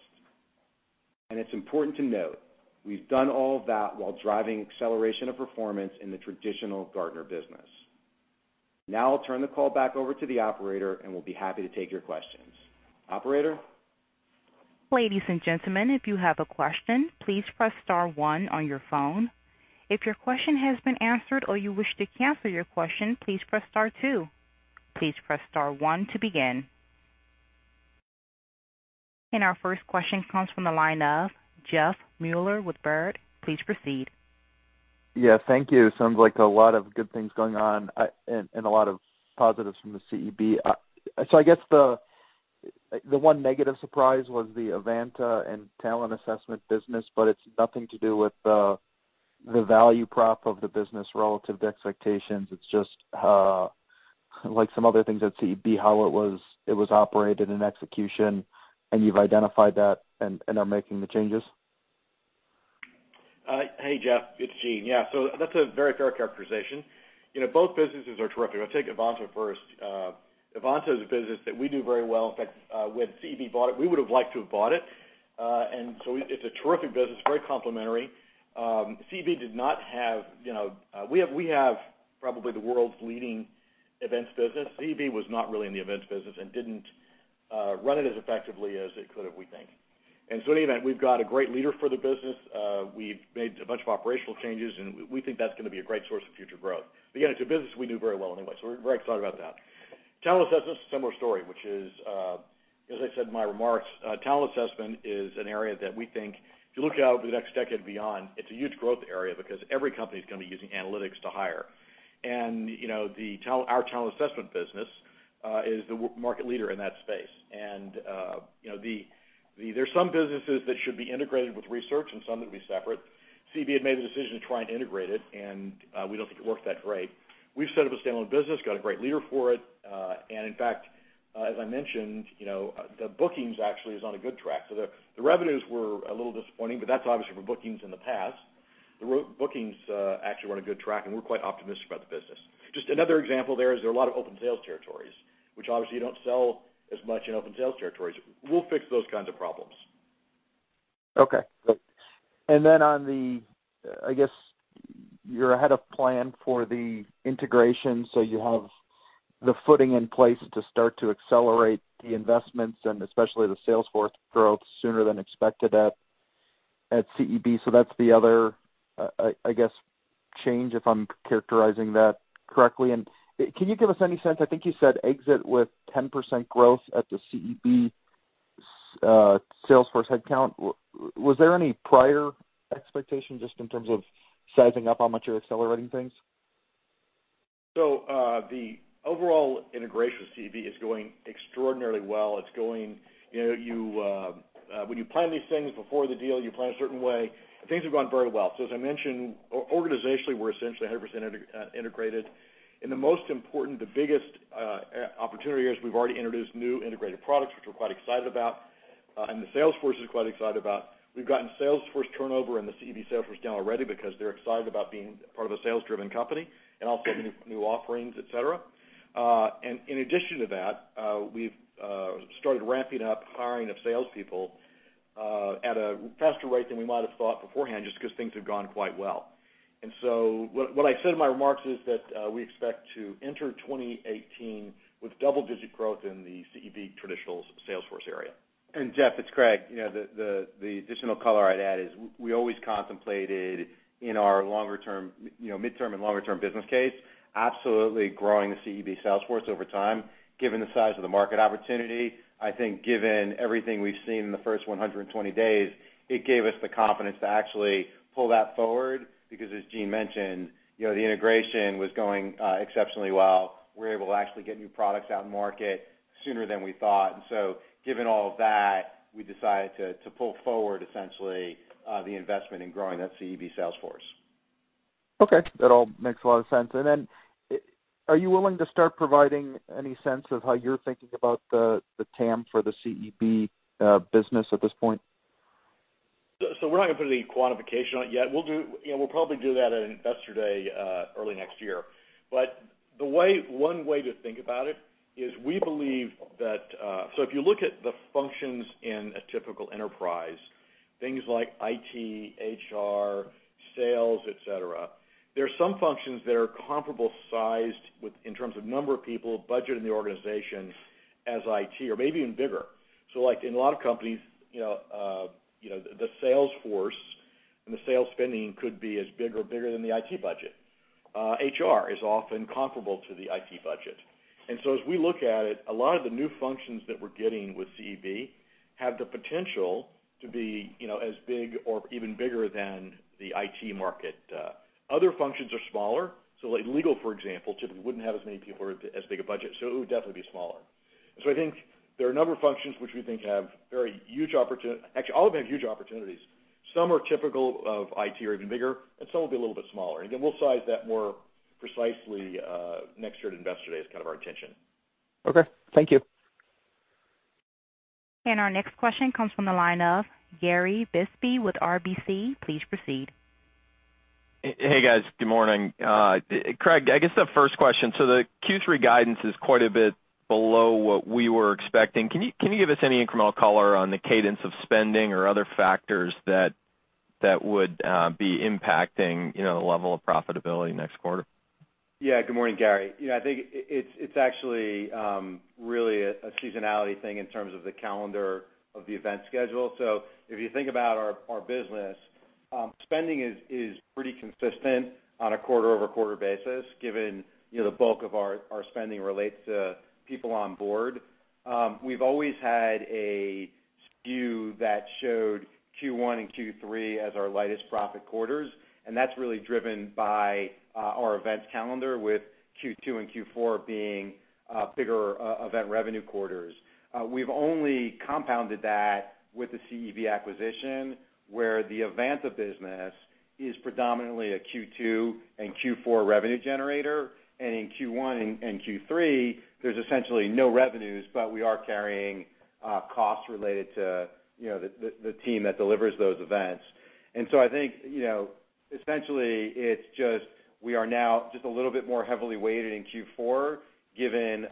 It's important to note, we've done all of that while driving acceleration of performance in the traditional Gartner business. Now I'll turn the call back over to the operator, and we'll be happy to take your questions. Operator? Ladies and gentlemen, if you have a question, please press star one on your phone. If your question has been answered or you wish to cancel your question, please press star two. Please press star one to begin. Our first question comes from the line of Jeff Meuler with Baird. Please proceed. Yeah. Thank you. Sounds like a lot of good things going on, and a lot of positives from the CEB. I guess the one negative surprise was the Evanta and Talent Assessment business, but it's nothing to do with the value prop of the business relative to expectations. It's just, like some other things at CEB, how it was operated and execution, and you've identified that and are making the changes? Hey, Jeff. It's Gene. Yeah. That's a very fair characterization. You know, both businesses are terrific. I'll take Evanta first. Evanta is a business that we do very well. In fact, when CEB bought it, we would have liked to have bought it. It's a terrific business, very complementary. CEB did not have, you know, we have probably the world's leading events business. CEB was not really in the events business and didn't run it as effectively as it could have, we think. In any event, we've got a great leader for the business. We've made a bunch of operational changes, and we think that's gonna be a great source of future growth. Yeah, it's a business we knew very well anyway, we're very excited about that. Talent Assessment, similar story, which is, as I said in my remarks, talent assessment is an area that we think if you look out over the next decade and beyond, it's a huge growth area because every company is gonna be using analytics to hire. You know, our Talent Assessment business is the market leader in that space. You know, there's some businesses that should be integrated with research and some that'll be separate. CEB had made the decision to try and integrate it, we don't think it worked that great. We've set up a standalone business, got a great leader for it. In fact, as I mentioned, you know, the bookings actually is on a good track. The revenues were a little disappointing, but that's obviously from bookings in the past. Bookings actually were on a good track, and we're quite optimistic about the business. Just another example there is there are a lot of open sales territories. Which obviously you don't sell as much in open sales territories. We'll fix those kinds of problems. Okay. On the, I guess you're ahead of plan for the integration, so you have the footing in place to start to accelerate the investments and especially the sales force growth sooner than expected at CEB. That's the other, I guess, change, if I'm characterizing that correctly. Can you give us any sense, I think you said exit with 10% growth at the CEB sales force headcount. Was there any prior expectation just in terms of sizing up how much you're accelerating things? The overall integration with CEB is going extraordinarily well. It's going, you know, when you plan these things before the deal, you plan a certain way. Things have gone very well. As I mentioned, organizationally, we're essentially 100% integrated. The most important, the biggest opportunity is we've already introduced new integrated products, which we're quite excited about, and the sales force is quite excited about. We've gotten sales force turnover in the CEB sales force now already because they're excited about being part of a sales-driven company and also new offerings, et cetera. In addition to that, we've started ramping up hiring of salespeople at a faster rate than we might have thought beforehand, just 'cause things have gone quite well. What I said in my remarks is that we expect to enter 2018 with double-digit growth in the CEB traditional sales force area. Jeff, it's Craig. You know, the additional color I'd add is we always contemplated in our longer term, you know, midterm and longer term business case, absolutely growing the CEB sales force over time, given the size of the market opportunity. I think given everything we've seen in the first 120 days, it gave us the confidence to actually pull that forward, because as Gene mentioned, you know, the integration was going exceptionally well. We were able to actually get new products out in market sooner than we thought. Given all of that, we decided to pull forward essentially the investment in growing that CEB sales force. Okay. That all makes a lot of sense. Are you willing to start providing any sense of how you're thinking about the TAM for the CEB business at this point? We're not gonna put any quantification on it yet. We'll do, you know, we'll probably do that at Investor Day early next year. One way to think about it is we believe that if you look at the functions in a typical enterprise, things like IT, HR, sales, et cetera, there are some functions that are comparable sized with, in terms of number of people, budget in the organization as IT or maybe even bigger. Like in a lot of companies, you know, you know, the sales force and the sales spending could be as big or bigger than the IT budget. HR is often comparable to the IT budget. As we look at it, a lot of the new functions that we're getting with CEB have the potential to be, you know, as big or even bigger than the IT market. Other functions are smaller. Like legal, for example, typically wouldn't have as many people or as big a budget, so it would definitely be smaller. I think there are a number of functions which we think have very huge opportunities. Actually, all of them have huge opportunities. Some are typical of IT or even bigger, and some will be a little bit smaller. Again, we'll size that more precisely, next year at Investor Day is kind of our intention. Okay. Thank you. Our next question comes from the line of Gary Bisbee with RBC. Please proceed. Hey, guys. Good morning. Craig, I guess the first question, The Q3 guidance is quite a bit below what we were expecting. Can you give us any incremental color on the cadence of spending or other factors that would be impacting, you know, the level of profitability next quarter? Yeah. Good morning, Gary. You know, I think it's actually really a seasonality thing in terms of the calendar of the event schedule. If you think about our business, spending is pretty consistent on a quarter-over-quarter basis, given, you know, the bulk of our spending relates to people on board. We've always had a SKU that showed Q1 and Q3 as our lightest profit quarters, and that's really driven by our events calendar with Q2 and Q4 being bigger event revenue quarters. We've only compounded that with the CEB acquisition, where the events of business is predominantly a Q2 and Q4 revenue generator. In Q1 and Q3, there's essentially no revenues, but we are carrying costs related to, you know, the team that delivers those events. I think, you know, essentially, it's just we are now just a little bit more heavily weighted in Q4, given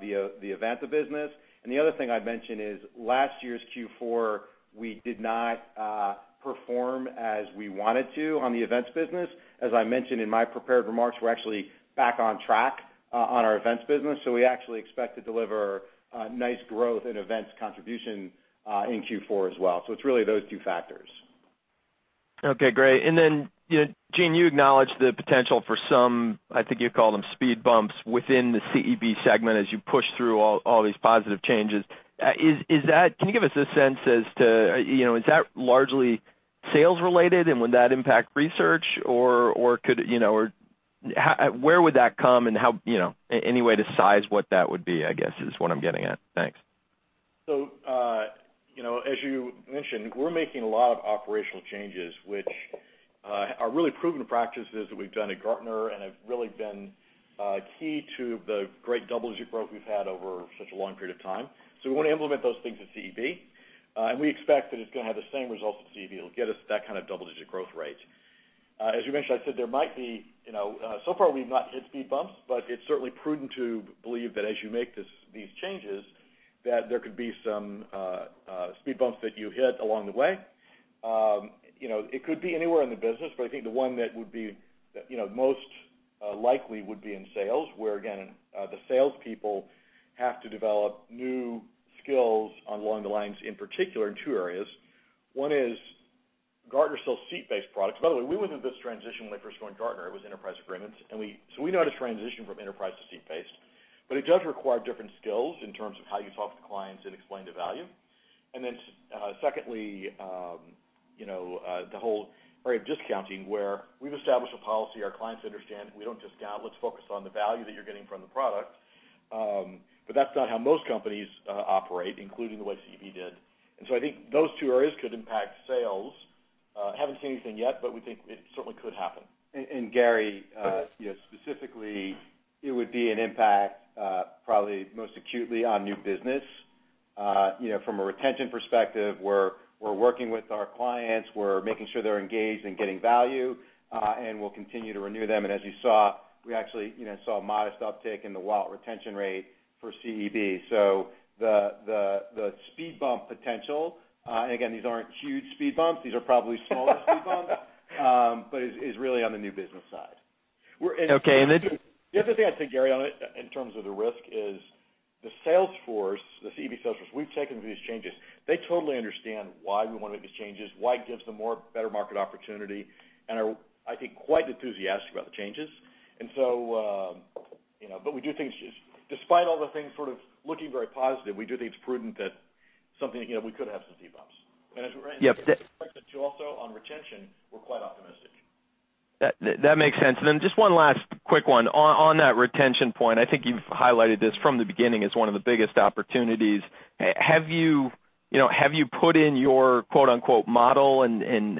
the events of business. The other thing I'd mention is last year's Q4, we did not perform as we wanted to on the events business. As I mentioned in my prepared remarks, we're actually back on track on our events business. We actually expect to deliver nice growth in events contribution in Q4 as well. It's really those two factors. Okay, great. You know, Gene, you acknowledged the potential for some, I think you called them speed bumps within the CEB segment as you push through all these positive changes. Can you give us a sense as to, you know, is that largely sales related, and would that impact research, or could, you know, or how, where would that come and how, you know, any way to size what that would be, I guess, is what I'm getting at. Thanks. You know, as you mentioned, we're making a lot of operational changes, which are really proven practices that we've done at Gartner and have really been key to the great double-digit growth we've had over such a long period of time. We wanna implement those things at CEB, and we expect that it's gonna have the same results at CEB. It'll get us that kind of double-digit growth rate. As you mentioned, I said there might be, you know, so far we've not hit speed bumps, but it's certainly prudent to believe that as you make these changes, that there could be some speed bumps that you hit along the way. You know, it could be anywhere in the business, but I think the one that would be, you know, most likely would be in sales, where, again, the salespeople have to develop new skills along the lines, in particular in two areas. One is Gartner sells seat-based products. By the way, we was in this transition when I first joined Gartner, it was enterprise agreements. We know how to transition from enterprise to seat-based, but it does require different skills in terms of how you talk to clients and explain the value. Then, secondly, you know, the whole area of discounting, where we've established a policy our clients understand, we don't discount, let's focus on the value that you're getting from the product. That's not how most companies operate, including the way CEB did. I think those two areas could impact sales. Haven't seen anything yet, but we think it certainly could happen. Gary, you know, specifically, it would be an impact, probably most acutely on new business. You know, from a retention perspective, we're working with our clients, we're making sure they're engaged and getting value, and we'll continue to renew them. As you saw, we actually, you know, saw a modest uptick in the wallet retention rate for CEB. The speed bump potential, and again, these aren't huge speed bumps. These are probably smaller speed bumps. Is really on the new business side. We're- Okay. The other thing I'd say, Gary, on it, in terms of the risk is the sales force, the CEB sales force, we've taken these changes. They totally understand why we wanna make these changes, why it gives them more better market opportunity, and are, I think, quite enthusiastic about the changes. you know, we do think it's just despite all the things sort of looking very positive, we do think it's prudent that something, you know, we could have some speed bumps. Yeah. Also on retention, we're quite optimistic. That makes sense. Just one last quick one. On that retention point, I think you've highlighted this from the beginning as one of the biggest opportunities. Have you know, have you put in your quote-unquote model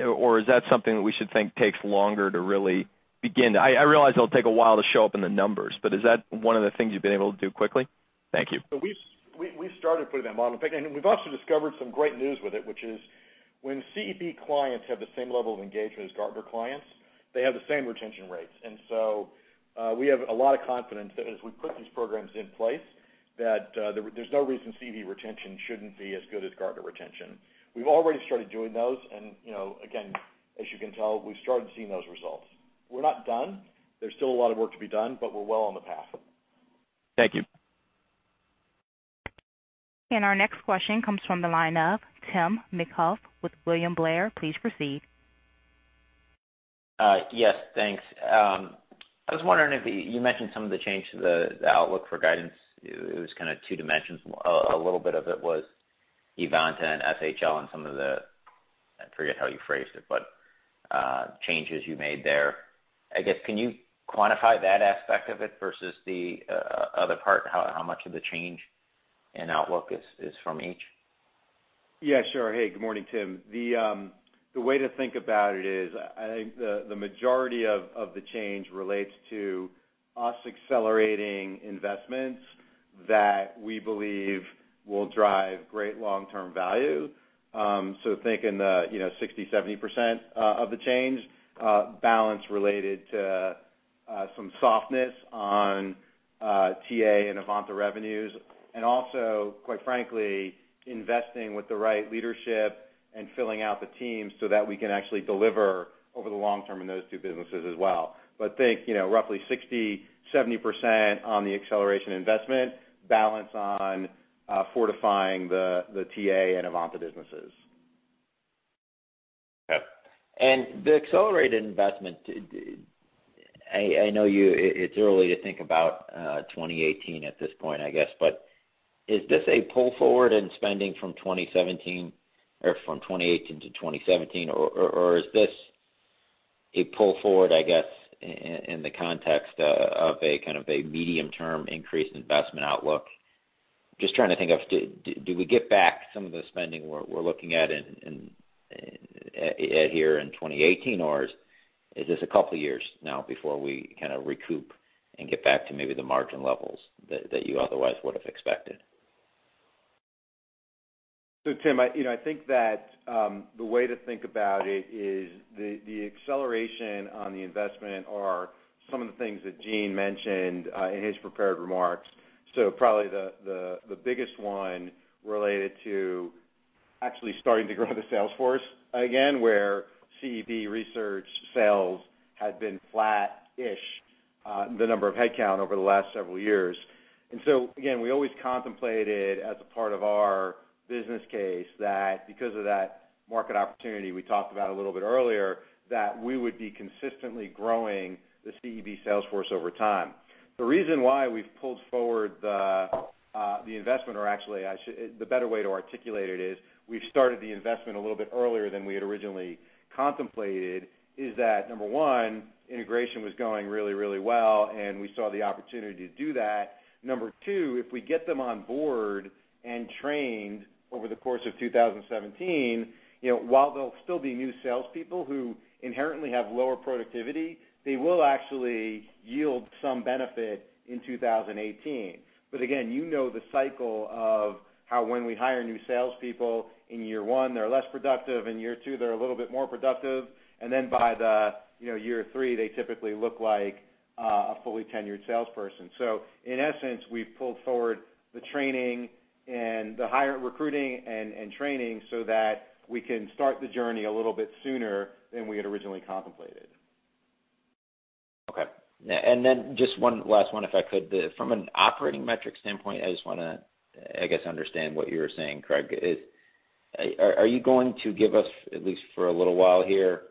or is that something that we should think takes longer to really begin? I realize it'll take a while to show up in the numbers, but is that one of the things you've been able to do quickly? Thank you. We've started putting that model in place. We've also discovered some great news with it, which is when CEB clients have the same level of engagement as Gartner clients, they have the same retention rates. We have a lot of confidence that as we put these programs in place, that there's no reason CEB retention shouldn't be as good as Gartner retention. We've already started doing those and, you know, again, as you can tell, we've started seeing those results. We're not done. There's still a lot of work to be done, but we're well on the path. Thank you. Our next question comes from the line of Tim McHugh with William Blair. Please proceed. Yes, thanks. I was wondering if you mentioned some of the change to the outlook for guidance. It was kind of two dimensions. A little bit of it was Evanta and SHL and some of the, I forget how you phrased it, but changes you made there. I guess, can you quantify that aspect of it versus the other part? How much of the change in outlook is from each? Sure. Hey, good morning, Tim. The way to think about it is I think the majority of the change relates to us accelerating investments that we believe will drive great long-term value. Think in the, you know, 60%-70% of the change, balance related to some softness on TA and Evanta revenues, and also, quite frankly, investing with the right leadership and filling out the teams so that we can actually deliver over the long term in those two businesses as well. Think, you know, roughly 60%-70% on the acceleration investment, balance on fortifying the TA and Evanta businesses. Okay. The accelerated investment, I know it's early to think about 2018 at this point, I guess. Is this a pull forward in spending from 2017 or from 2018 to 2017? Is this a pull forward, I guess, in the context of a kind of a medium-term increase in investment outlook? Just trying to think of do we get back some of the spending we're looking at in here in 2018? Is this a couple years now before we kinda recoup and get back to maybe the margin levels that you otherwise would have expected? Tim, I, you know, I think that the way to think about it is the acceleration on the investment are some of the things that Gene mentioned in his prepared remarks. Probably the biggest one related to actually starting to grow the sales force again, where CEB research sales had been flat-ish, the number of headcount over the last several years. Again, we always contemplated as a part of our business case that because of that market opportunity we talked about a little bit earlier, that we would be consistently growing the CEB sales force over time. The reason why we've pulled forward the investment, the better way to articulate it is we've started the investment a little bit earlier than we had originally contemplated, is that, number one, integration was going really, really well, and we saw the opportunity to do that. Number two, if we get them on board and trained over the course of 2017, you know, while there'll still be new salespeople who inherently have lower productivity, they will actually yield some benefit in 2018. Again, you know the cycle of how when we hire new salespeople in year one, they're less productive, in year two, they're a little bit more productive, and then by the, you know, year three, they typically look like, a fully tenured salesperson. In essence, we've pulled forward the training and the hire recruiting and training so that we can start the journey a little bit sooner than we had originally contemplated. Okay. Then just last one, if I could. From an operating metric standpoint, I just wanna, I guess, understand what you were saying, Craig. Are you going to give us, at least for a little while here,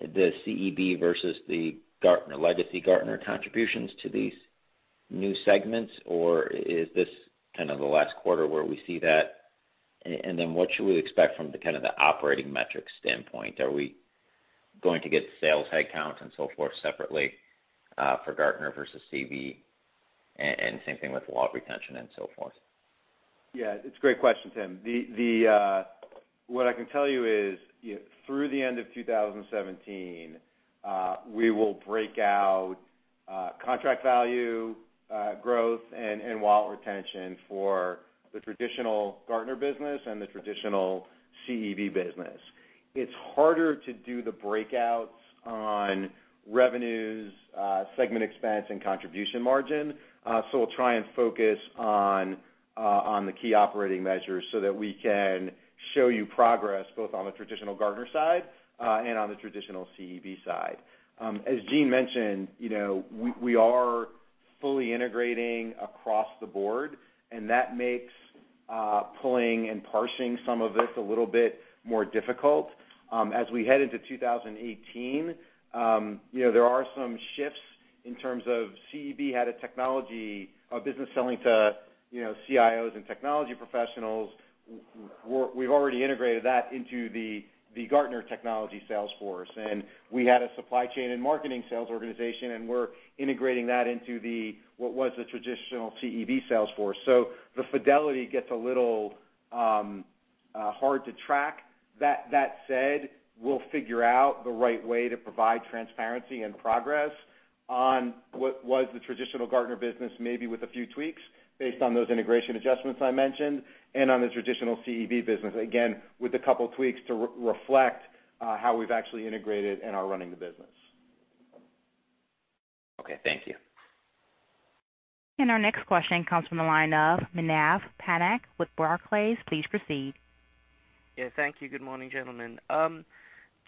the CEB versus the Gartner, legacy Gartner contributions to these new segments? Or is this kind of the last quarter where we see that? Then what should we expect from the kind of the operating metric standpoint? Are we going to get sales headcounts and so forth separately, for Gartner versus CEB? Same thing with wallet retention and so forth. It's a great question, Tim. The what I can tell you is, you know, through the end of 2017, we will break out contract value growth and wallet retention for the traditional Gartner business and the traditional CEB business. It's harder to do the breakouts on revenues, segment expense and contribution margin. We'll try and focus on the key operating measures so that we can show you progress both on the traditional Gartner side and on the traditional CEB side. As Gene mentioned, you know, we are fully integrating across the board, and that makes pulling and parsing some of this a little bit more difficult. As we head into 2018, you know, there are some shifts in terms of CEB had a technology, a business selling to, you know, CIOs and technology professionals. We've already integrated that into the Gartner technology sales force. We had a supply chain and marketing sales organization, and we're integrating that into the, what was the traditional CEB sales force. The fidelity gets a little hard to track. That said, we'll figure out the right way to provide transparency and progress on what was the traditional Gartner business, maybe with a few tweaks based on those integration adjustments I mentioned, and on the traditional CEB business, again, with a couple tweaks to re-reflect how we've actually integrated and are running the business. Okay, thank you. Our next question comes from the line of Manav Patnaik with Barclays. Please proceed. Yeah, thank you. Good morning, gentlemen.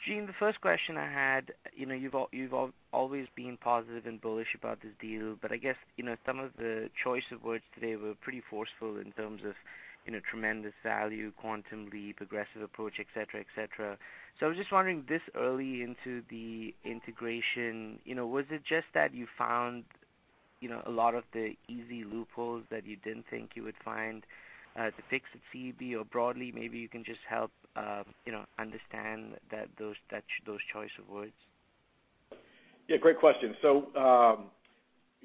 Gene, the first question I had, you know, you've always been positive and bullish about this deal, but I guess, you know, some of the choice of words today were pretty forceful in terms of, you know, tremendous value, quantum leap, aggressive approach, et cetera, et cetera. I was just wondering this early into the integration, you know, was it just that you found, you know, a lot of the easy loopholes that you didn't think you would find to fix at CEB? Or broadly, maybe you can just help, you know, understand those choice of words. Yeah, great question. You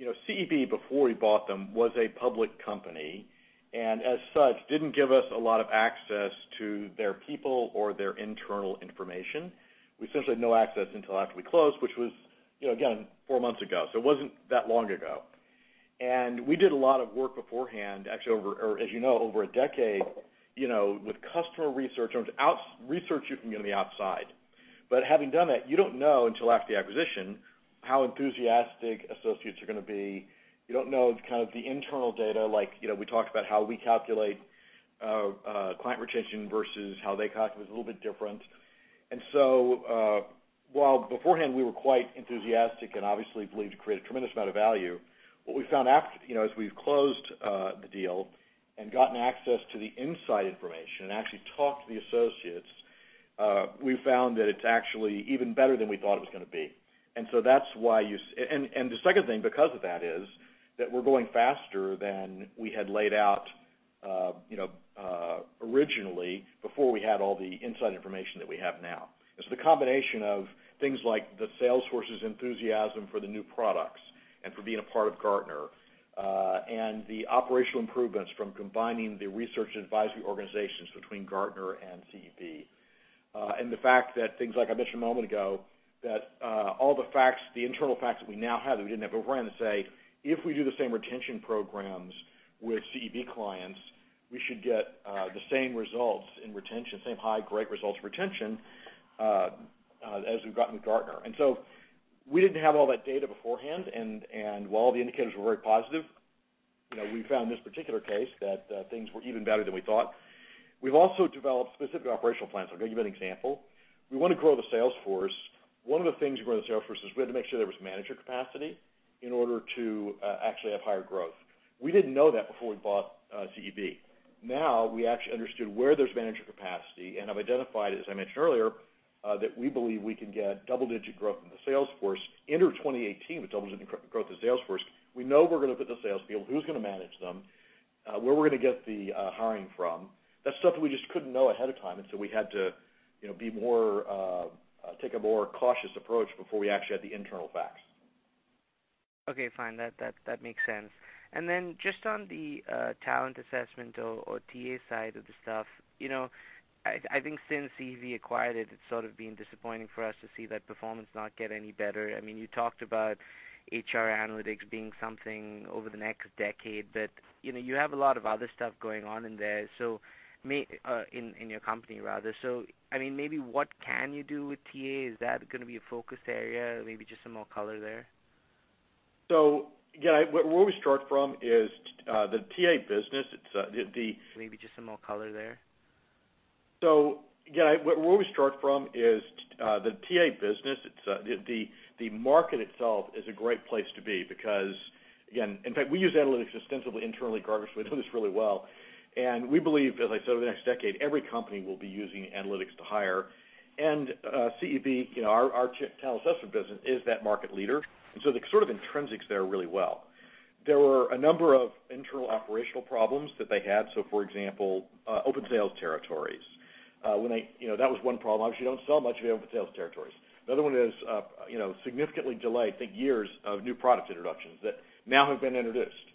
know, CEB, before we bought them, was a public company, and as such, didn't give us a lot of access to their people or their internal information. We essentially had no access until after we closed, which was, you know, again, four months ago. It wasn't that long ago. We did a lot of work beforehand, actually over, or as you know, over a decade, you know, with customer research in terms of research you can get on the outside. Having done that, you don't know until after the acquisition how enthusiastic associates are gonna be. You don't know kind of the internal data, like, you know, we talked about how we calculate client retention versus how they calculate. It was a little bit different. While beforehand we were quite enthusiastic and obviously believed to create a tremendous amount of value, what we found after, you know, as we've closed the deal and gotten access to the inside information and actually talked to the associates, we found that it's actually even better than we thought it was gonna be. That's why the second thing because of that is, that we're going faster than we had laid out, you know, originally before we had all the inside information that we have now. It's the combination of things like the sales force's enthusiasm for the new products and for being a part of Gartner, and the operational improvements from combining the research advisory organizations between Gartner and CEB. The fact that things like I mentioned a moment ago, that all the facts, the internal facts that we now have that we didn't have beforehand to say, if we do the same retention programs with CEB clients, we should get the same results in retention, same high, great results retention, as we've gotten with Gartner. We didn't have all that data beforehand and, while the indicators were very positive, you know, we found this particular case that things were even better than we thought. We've also developed specific operational plans. I'll give you an example. We wanna grow the sales force. One of the things to grow the sales force is we had to make sure there was manager capacity in order to actually have higher growth. We didn't know that before we bought CEB. We actually understood where there's manager capacity, and I've identified, as I mentioned earlier, that we believe we can get double-digit growth in the sales force. Enter 2018 with double-digit growth in the sales force. We know who we're gonna put in the sales field, who's gonna manage them, where we're gonna get the hiring from. That's stuff that we just couldn't know ahead of time, we had to, you know, be more, take a more cautious approach before we actually had the internal facts. Okay, fine. That makes sense. Just on the talent assessment or TA side of the stuff, you know, I think since CEB acquired it's sort of been disappointing for us to see that performance not get any better. I mean, you talked about HR analytics being something over the next decade that, you know, you have a lot of other stuff going on in there, in your company rather. I mean, maybe what can you do with TA? Is that gonna be a focus area? Maybe just some more color there. Again, where we start from is the TA business. Maybe just some more color there. Again, the TA business. It's the market itself is a great place to be because again, in fact, we use analytics extensively internally at Gartner, so we do this really well. We believe, as I said, over the next decade, every company will be using analytics to hire. CEB, you know, our talent assessment business is that market leader. The sort of intrinsics there are really well. There were a number of internal operational problems that they had. For example, open sales territories. You know, that was one problem. Obviously, you don't sell much if you have open sales territories. Another one is, you know, significantly delayed, I think years, of new product introductions that now have been introduced.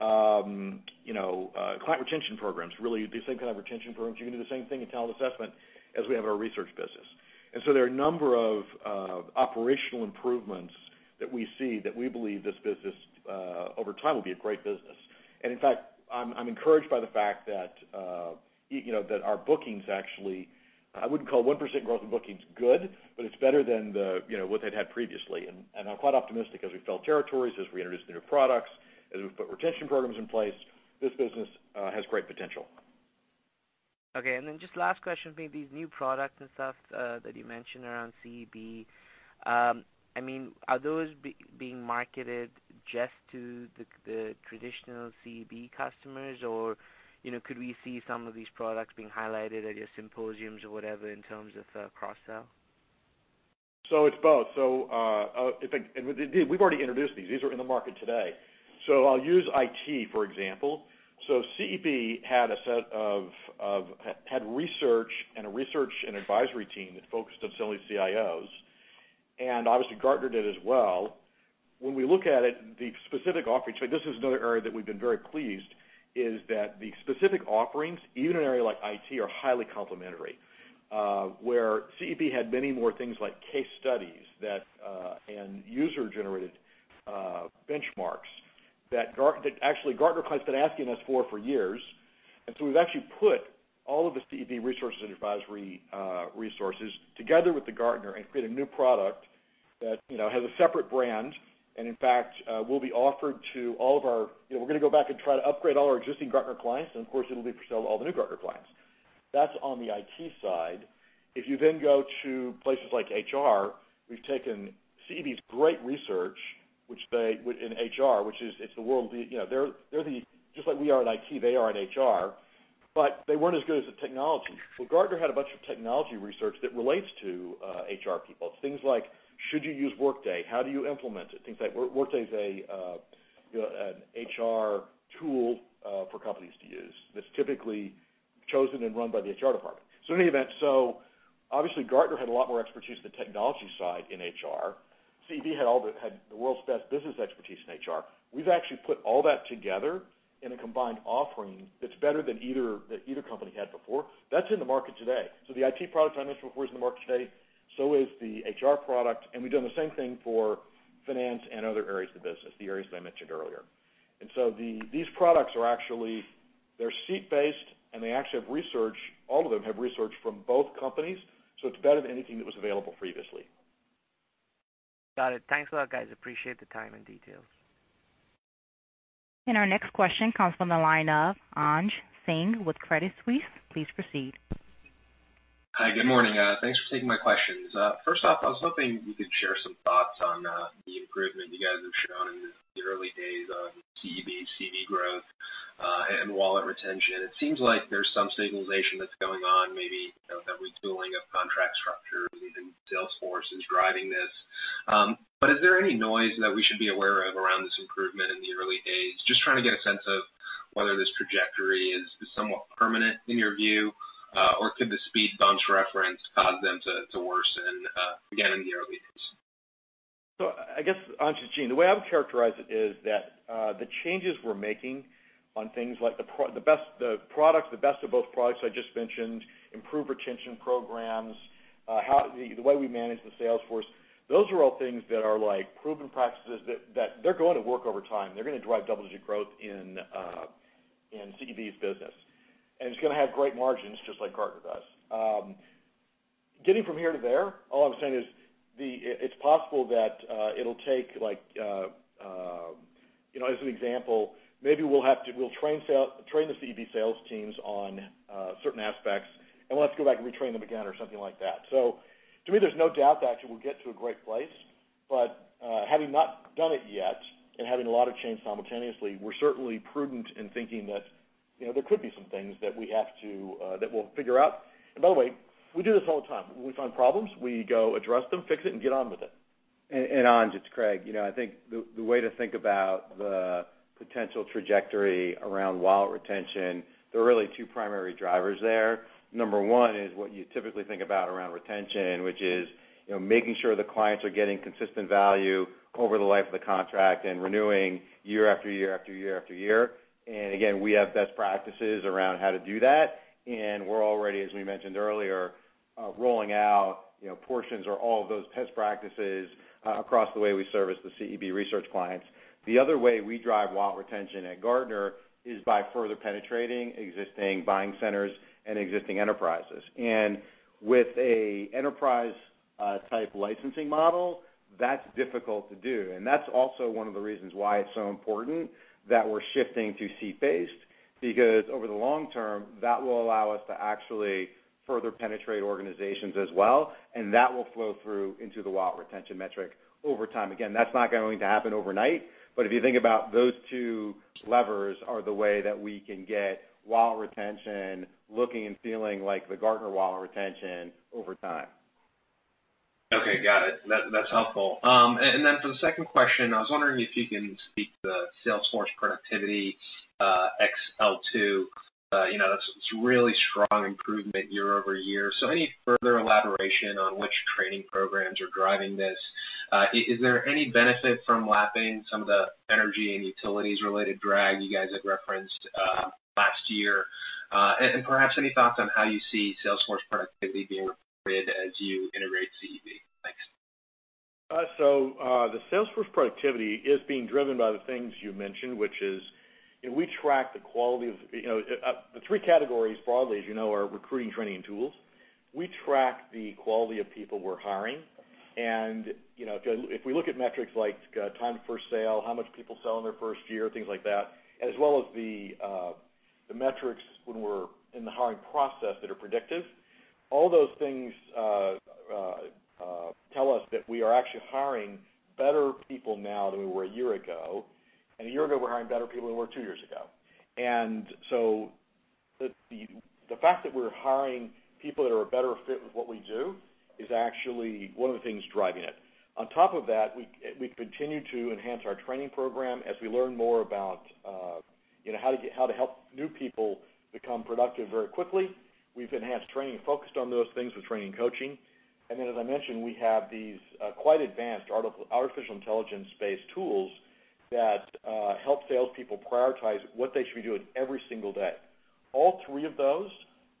You know, client retention programs, really the same kind of retention programs. You can do the same thing in talent assessment as we have in our research business. There are a number of operational improvements that we see that we believe this business over time will be a great business. In fact, I'm encouraged by the fact that, you know, that our bookings actually, I wouldn't call 1% growth in bookings good, but it's better than the, you know, what they'd had previously. I'm quite optimistic as we fill territories, as we introduce the new products, as we put retention programs in place, this business has great potential. Okay. Just last question, maybe these new products and stuff, that you mentioned around CEB, I mean, are those being marketed just to the traditional CEB customers? Or, you know, could we see some of these products being highlighted at your Symposiums or whatever in terms of cross-sell? It's both. We've already introduced these. These are in the market today. I'll use IT, for example. CEB had a set of research and a research and advisory team that focused on selling to CIOs, and obviously, Gartner did as well. When we look at it, the specific offerings, even an area like IT, are highly complementary. Where CEB had many more things like case studies that end-user-generated benchmarks that actually Gartner clients been asking us for years. We've actually put all of the CEB resources and advisory resources together with the Gartner and created a new product that, you know, has a separate brand, and in fact, will be offered to all of our You know, we're gonna go back and try to upgrade all our existing Gartner clients, and of course, it'll be for sale to all the new Gartner clients. That's on the IT side. Go to places like HR, we've taken CEB's great research, which in HR, which is it's the world's, you know, they're the just like we are in IT, they are in HR, but they weren't as good as the technology. Well, Gartner had a bunch of technology research that relates to HR people. Things like, should you use Workday? How do you implement it? Things like Workday is a, you know, an HR tool for companies to use, that's typically chosen and run by the HR department. In any event, obviously Gartner had a lot more expertise in the technology side in HR. CEB had the world's best business expertise in HR. We've actually put all that together in a combined offering that's better than either company had before. That's in the market today. The IT product I mentioned before is in the market today, so is the HR product, and we've done the same thing for finance and other areas of the business, the areas that I mentioned earlier. These products are actually, they're seat-based, and they actually have research, all of them have research from both companies, so it's better than anything that was available previously. Got it. Thanks a lot, guys. Appreciate the time and details. Our next question comes from the line of Anj Singh with Credit Suisse. Please proceed. Hi, good morning. Thanks for taking my questions. First off, I was hoping you could share some thoughts on the improvement you guys have shown in the early days of CEB growth, and wallet retention. It seems like there's some signalization that's going on, maybe, you know, that retooling of contract structures and sales forces driving this. Is there any noise that we should be aware of around this improvement in the early days? Just trying to get a sense of whether this trajectory is somewhat permanent in your view, or could the speed bumps reference cause them to worsen again in the early days? I guess, Anj, it's Gene. The way I would characterize it is that, the changes we're making on things like the products, the best of both products I just mentioned, improved retention programs, how the way we manage the sales force, those are all things that are like proven practices that they're going to work over time. They're gonna drive double-digit growth in CEB's business. It's gonna have great margins, just like Gartner does. Getting from here to there, all I'm saying is it's possible that it'll take like, You know, as an example, maybe we'll train the CEB sales teams on certain aspects, and we'll have to go back and retrain them again or something like that. To me, there's no doubt that actually we'll get to a great place. Having not done it yet and having a lot of change simultaneously, we're certainly prudent in thinking that, you know, there could be some things that we have to that we'll figure out. By the way, we do this all the time. When we find problems, we go address them, fix it, and get on with it. Anj, it's Craig. You know, I think the way to think about the potential trajectory around wallet retention, there are really two primary drivers there. Number one is what you typically think about around retention, which is, you know, making sure the clients are getting consistent value over the life of the contract and renewing year after year. Again, we have best practices around how to do that, and we're already, as we mentioned earlier, rolling out, you know, portions or all of those best practices across the way we service the CEB research clients. The other way we drive wallet retention at Gartner is by further penetrating existing buying centers and existing enterprises. With a enterprise, type licensing model, that's difficult to do. That's also one of the reasons why it's so important that we're shifting to seat-based. Because over the long term, that will allow us to actually further penetrate organizations as well, and that will flow through into the wallet retention metric over time. Again, that's not going to happen overnight, but if you think about those two levers are the way that we can get wallet retention looking and feeling like the Gartner wallet retention over time. Okay, got it. That's helpful. Then for the second question, I was wondering if you can speak to the sales force productivity, XL2. You know, it's really strong improvement year-over-year. Any further elaboration on which training programs are driving this? Is there any benefit from lapping some of the energy and utilities related drag you guys had referenced last year? Perhaps any thoughts on how you see sales force productivity being reported as you integrate CEB? Thanks. The sales force productivity is being driven by the things you mentioned, which is, you know, we track the quality of, you know, the three categories broadly, as you know, are recruiting, training, and tools. We track the quality of people we're hiring. You know, if we look at metrics like, time to first sale, how much people sell in their first year, things like that, as well as the metrics when we're in the hiring process that are predictive, all those things tell us that we are actually hiring better people now than we were a year ago. A year ago, we're hiring better people than we were two years ago. The fact that we're hiring people that are a better fit with what we do is actually one of the things driving it. On top of that, we've continued to enhance our training program as we learn more about, you know, how to help new people become productive very quickly. We've enhanced training and focused on those things with training and coaching. As I mentioned, we have these quite advanced artificial intelligence-based tools that help salespeople prioritize what they should be doing every single day. All three of those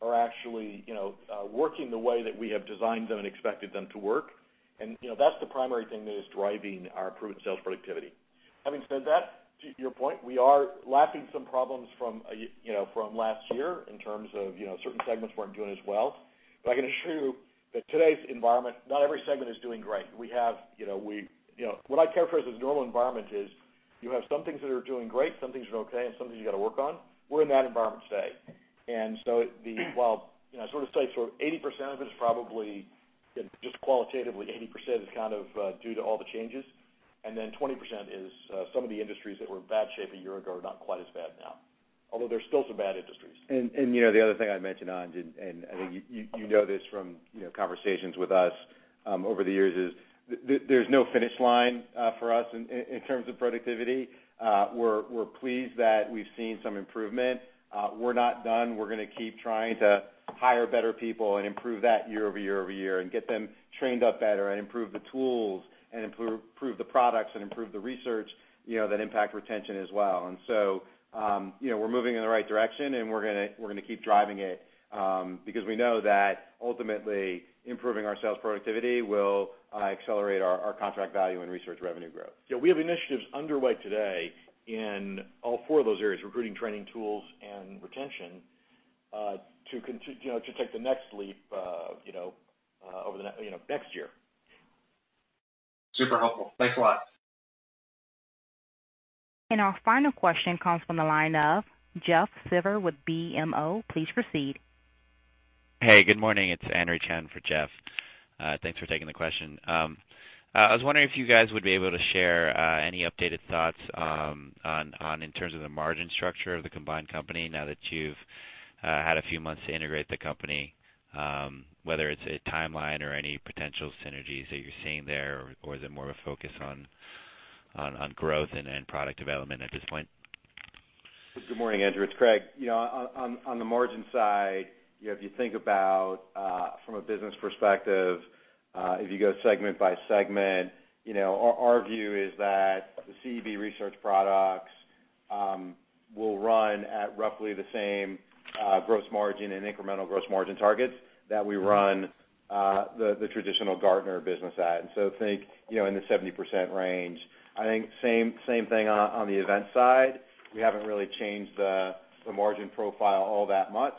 are actually, you know, working the way that we have designed them and expected them to work. You know, that's the primary thing that is driving our improved sales productivity. Having said that, to your point, we are lapping some problems from you know, from last year in terms of, you know, certain segments weren't doing as well. I can assure you that today's environment, not every segment is doing great. We have, you know, You know, what I care for as a normal environment is you have some things that are doing great, some things are okay, and some things you gotta work on. We're in that environment today. While, you know, sort of 80% of it is probably, you know, just qualitatively 80% is kind of due to all the changes, 20% is some of the industries that were in bad shape a year ago are not quite as bad now. There's still some bad industries. You know, the other thing I'd mention, Anj, I think you know this from, you know, conversations with us, over the years, there's no finish line for us in terms of productivity. We're pleased that we've seen some improvement. We're not done. We're gonna keep trying to hire better people and improve that year over year over year, and get them trained up better and improve the tools and improve the products and improve the research, you know, that impact retention as well. You know, we're moving in the right direction, we're gonna keep driving it, because we know that ultimately improving our sales productivity will accelerate our contract value and research revenue growth. We have initiatives underway today in all four of those areas, recruiting, training, tools, and retention, you know, to take the next leap, you know, over the you know, next year. Super helpful. Thanks a lot. Our final question comes from the line of Jeffrey Silber with BMO. Please proceed. Hey, good morning. It's Henry Chien for Jeff Silber. Thanks for taking the question. I was wondering if you guys would be able to share any updated thoughts on in terms of the margin structure of the combined company now that you've had a few months to integrate the company, whether it's a timeline or any potential synergies that you're seeing there, or is it more of a focus on growth and product development at this point? Good morning, Henry. It's Craig. You know, on the margin side, you know, if you think about from a business perspective, if you go segment by segment, you know, our view is that the CEB research products will run at roughly the same gross margin and incremental gross margin targets that we run the traditional Gartner business at. Think, you know, in the 70% range. I think same thing on the event side. We haven't really changed the margin profile all that much.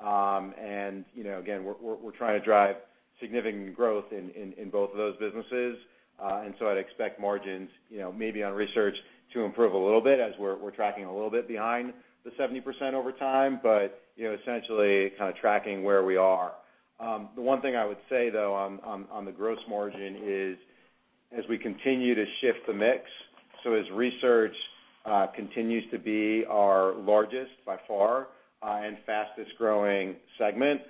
You know, again, we're trying to drive significant growth in both of those businesses. I'd expect margins, you know, maybe on research to improve a little bit as we're tracking a little bit behind the 70% over time, but, you know, essentially kind of tracking where we are. The one thing I would say, though, on the gross margin is as we continue to shift the mix, so as research continues to be our largest by far and fastest-growing segment,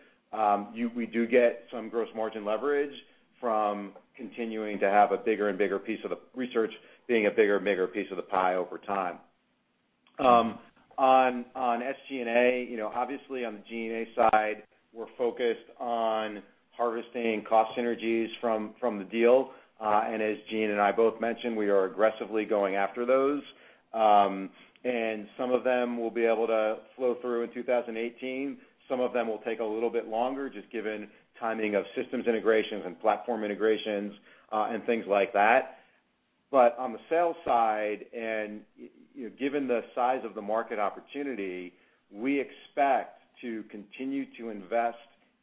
we do get some gross margin leverage from continuing to have a bigger and bigger piece of the research being a bigger and bigger piece of the pie over time. On SG&A, you know, obviously on the G&A side, we're focused on harvesting cost synergies from the deal. As Gene and I both mentioned, we are aggressively going after those. Some of them will be able to flow through in 2018. Some of them will take a little bit longer just given timing of systems integrations and platform integrations, and things like that. On the sales side, you know, given the size of the market opportunity, we expect to continue to invest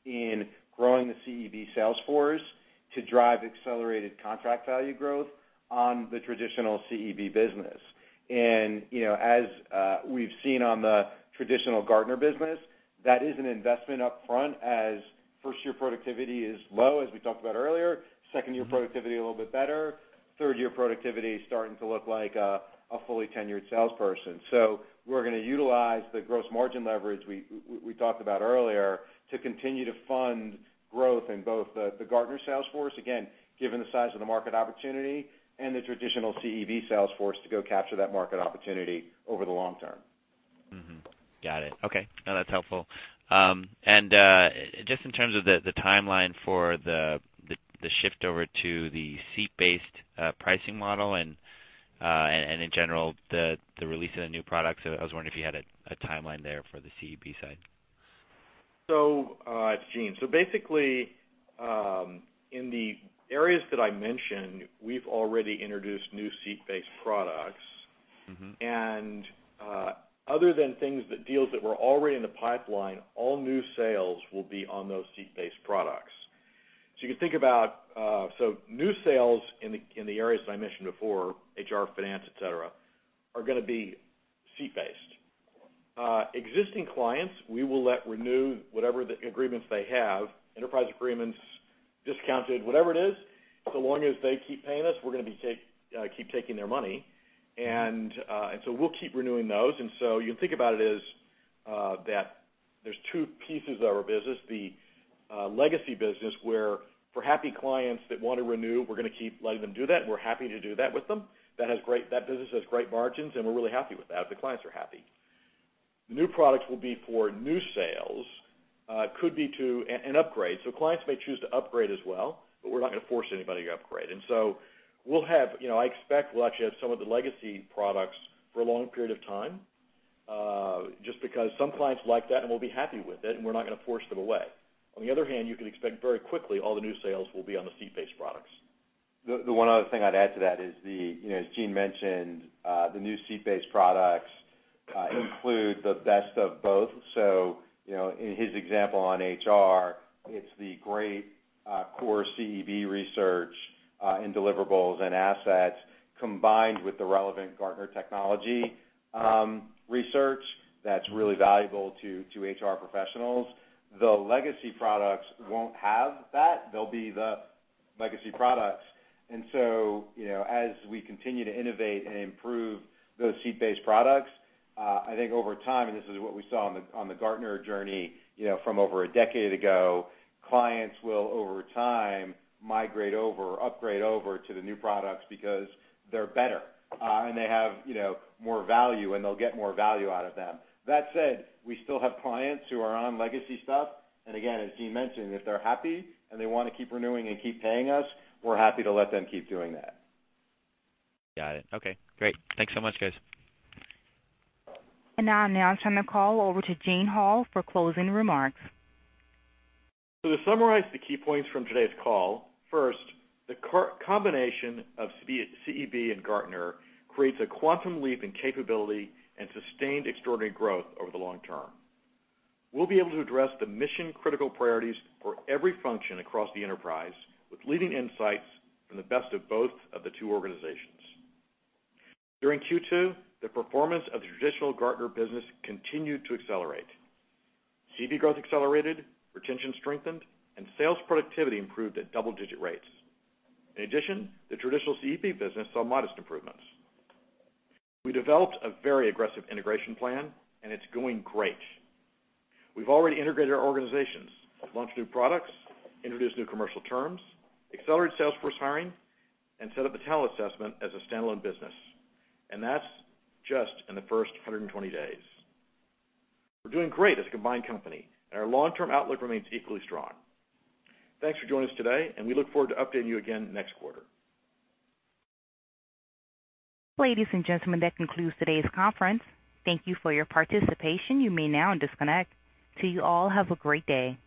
in growing the CEB sales force to drive accelerated contract value growth on the traditional CEB business. You know, as we've seen on the traditional Gartner business, that is an investment upfront as first year productivity is low, as we talked about earlier. Second year productivity, a little bit better. Third year productivity is starting to look like a fully tenured salesperson. We're gonna utilize the gross margin leverage we talked about earlier to continue to fund growth in both the Gartner sales force, again, given the size of the market opportunity and the traditional CEB sales force to go capture that market opportunity over the long term. Mm-hmm. Got it. Okay. No, that's helpful. Just in terms of the timeline for the shift over to the seat-based pricing model, and in general, the release of the new products, I was wondering if you had a timeline there for the CEB side. It's Gene. Basically, in the areas that I mentioned, we've already introduced new seat-based products. Other than things that deals that were already in the pipeline, all new sales will be on those seat-based products. You can think about new sales in the, in the areas that I mentioned before, HR, finance, et cetera, are gonna be seat-based. Existing clients, we will let renew whatever the agreements they have, enterprise agreements, discounted, whatever it is, so long as they keep paying us, we're gonna keep taking their money. We'll keep renewing those. You can think about it as that there's two pieces of our business, the legacy business, where for happy clients that wanna renew, we're gonna keep letting them do that, and we're happy to do that with them. That business has great margins, and we're really happy with that. The clients are happy. The new products will be for new sales, could be an upgrade. Clients may choose to upgrade as well, but we're not going to force anybody to upgrade. We'll have You know, I expect we'll actually have some of the legacy products for a long period of time, just because some clients like that and will be happy with it, and we're not going to force them away. On the other hand, you can expect very quickly all the new sales will be on the seat-based products. The one other thing I'd add to that is the, you know, as Gene mentioned, the new seat-based products include the best of both. You know, in his example on HR, it's the great core CEB research and deliverables and assets combined with the relevant Gartner technology research that's really valuable to HR professionals. The legacy products won't have that. They'll be the legacy products. you know, as we continue to innovate and improve those seat-based products, I think over time, and this is what we saw on the Gartner journey, you know, from over a decade ago, clients will, over time, migrate over or upgrade over to the new products because they're better, and they have, you know, more value, and they'll get more value out of them. That said, we still have clients who are on legacy stuff, and again, as Gene mentioned, if they're happy and they wanna keep renewing and keep paying us, we're happy to let them keep doing that. Got it. Okay, great. Thanks so much, guys. Now I'll turn the call over to Gene Hall for closing remarks. To summarize the key points from today's call, first, the combination of CEB and Gartner creates a quantum leap in capability and sustained extraordinary growth over the long term. We'll be able to address the mission-critical priorities for every function across the enterprise with leading insights from the best of both of the two organizations. During Q2, the performance of the traditional Gartner business continued to accelerate. CEB growth accelerated, retention strengthened, and sales productivity improved at double-digit rates. In addition, the traditional CEB business saw modest improvements. We developed a very aggressive integration plan, and it's going great. We've already integrated our organizations, launched new products, introduced new commercial terms, accelerated sales force hiring, and set up the talent assessment as a standalone business. That's just in the first 120 days. We're doing great as a combined company, and our long-term outlook remains equally strong. Thanks for joining us today, and we look forward to updating you again next quarter. Ladies and gentlemen, that concludes today's conference. Thank you for your participation. You may now disconnect. Till you all have a great day.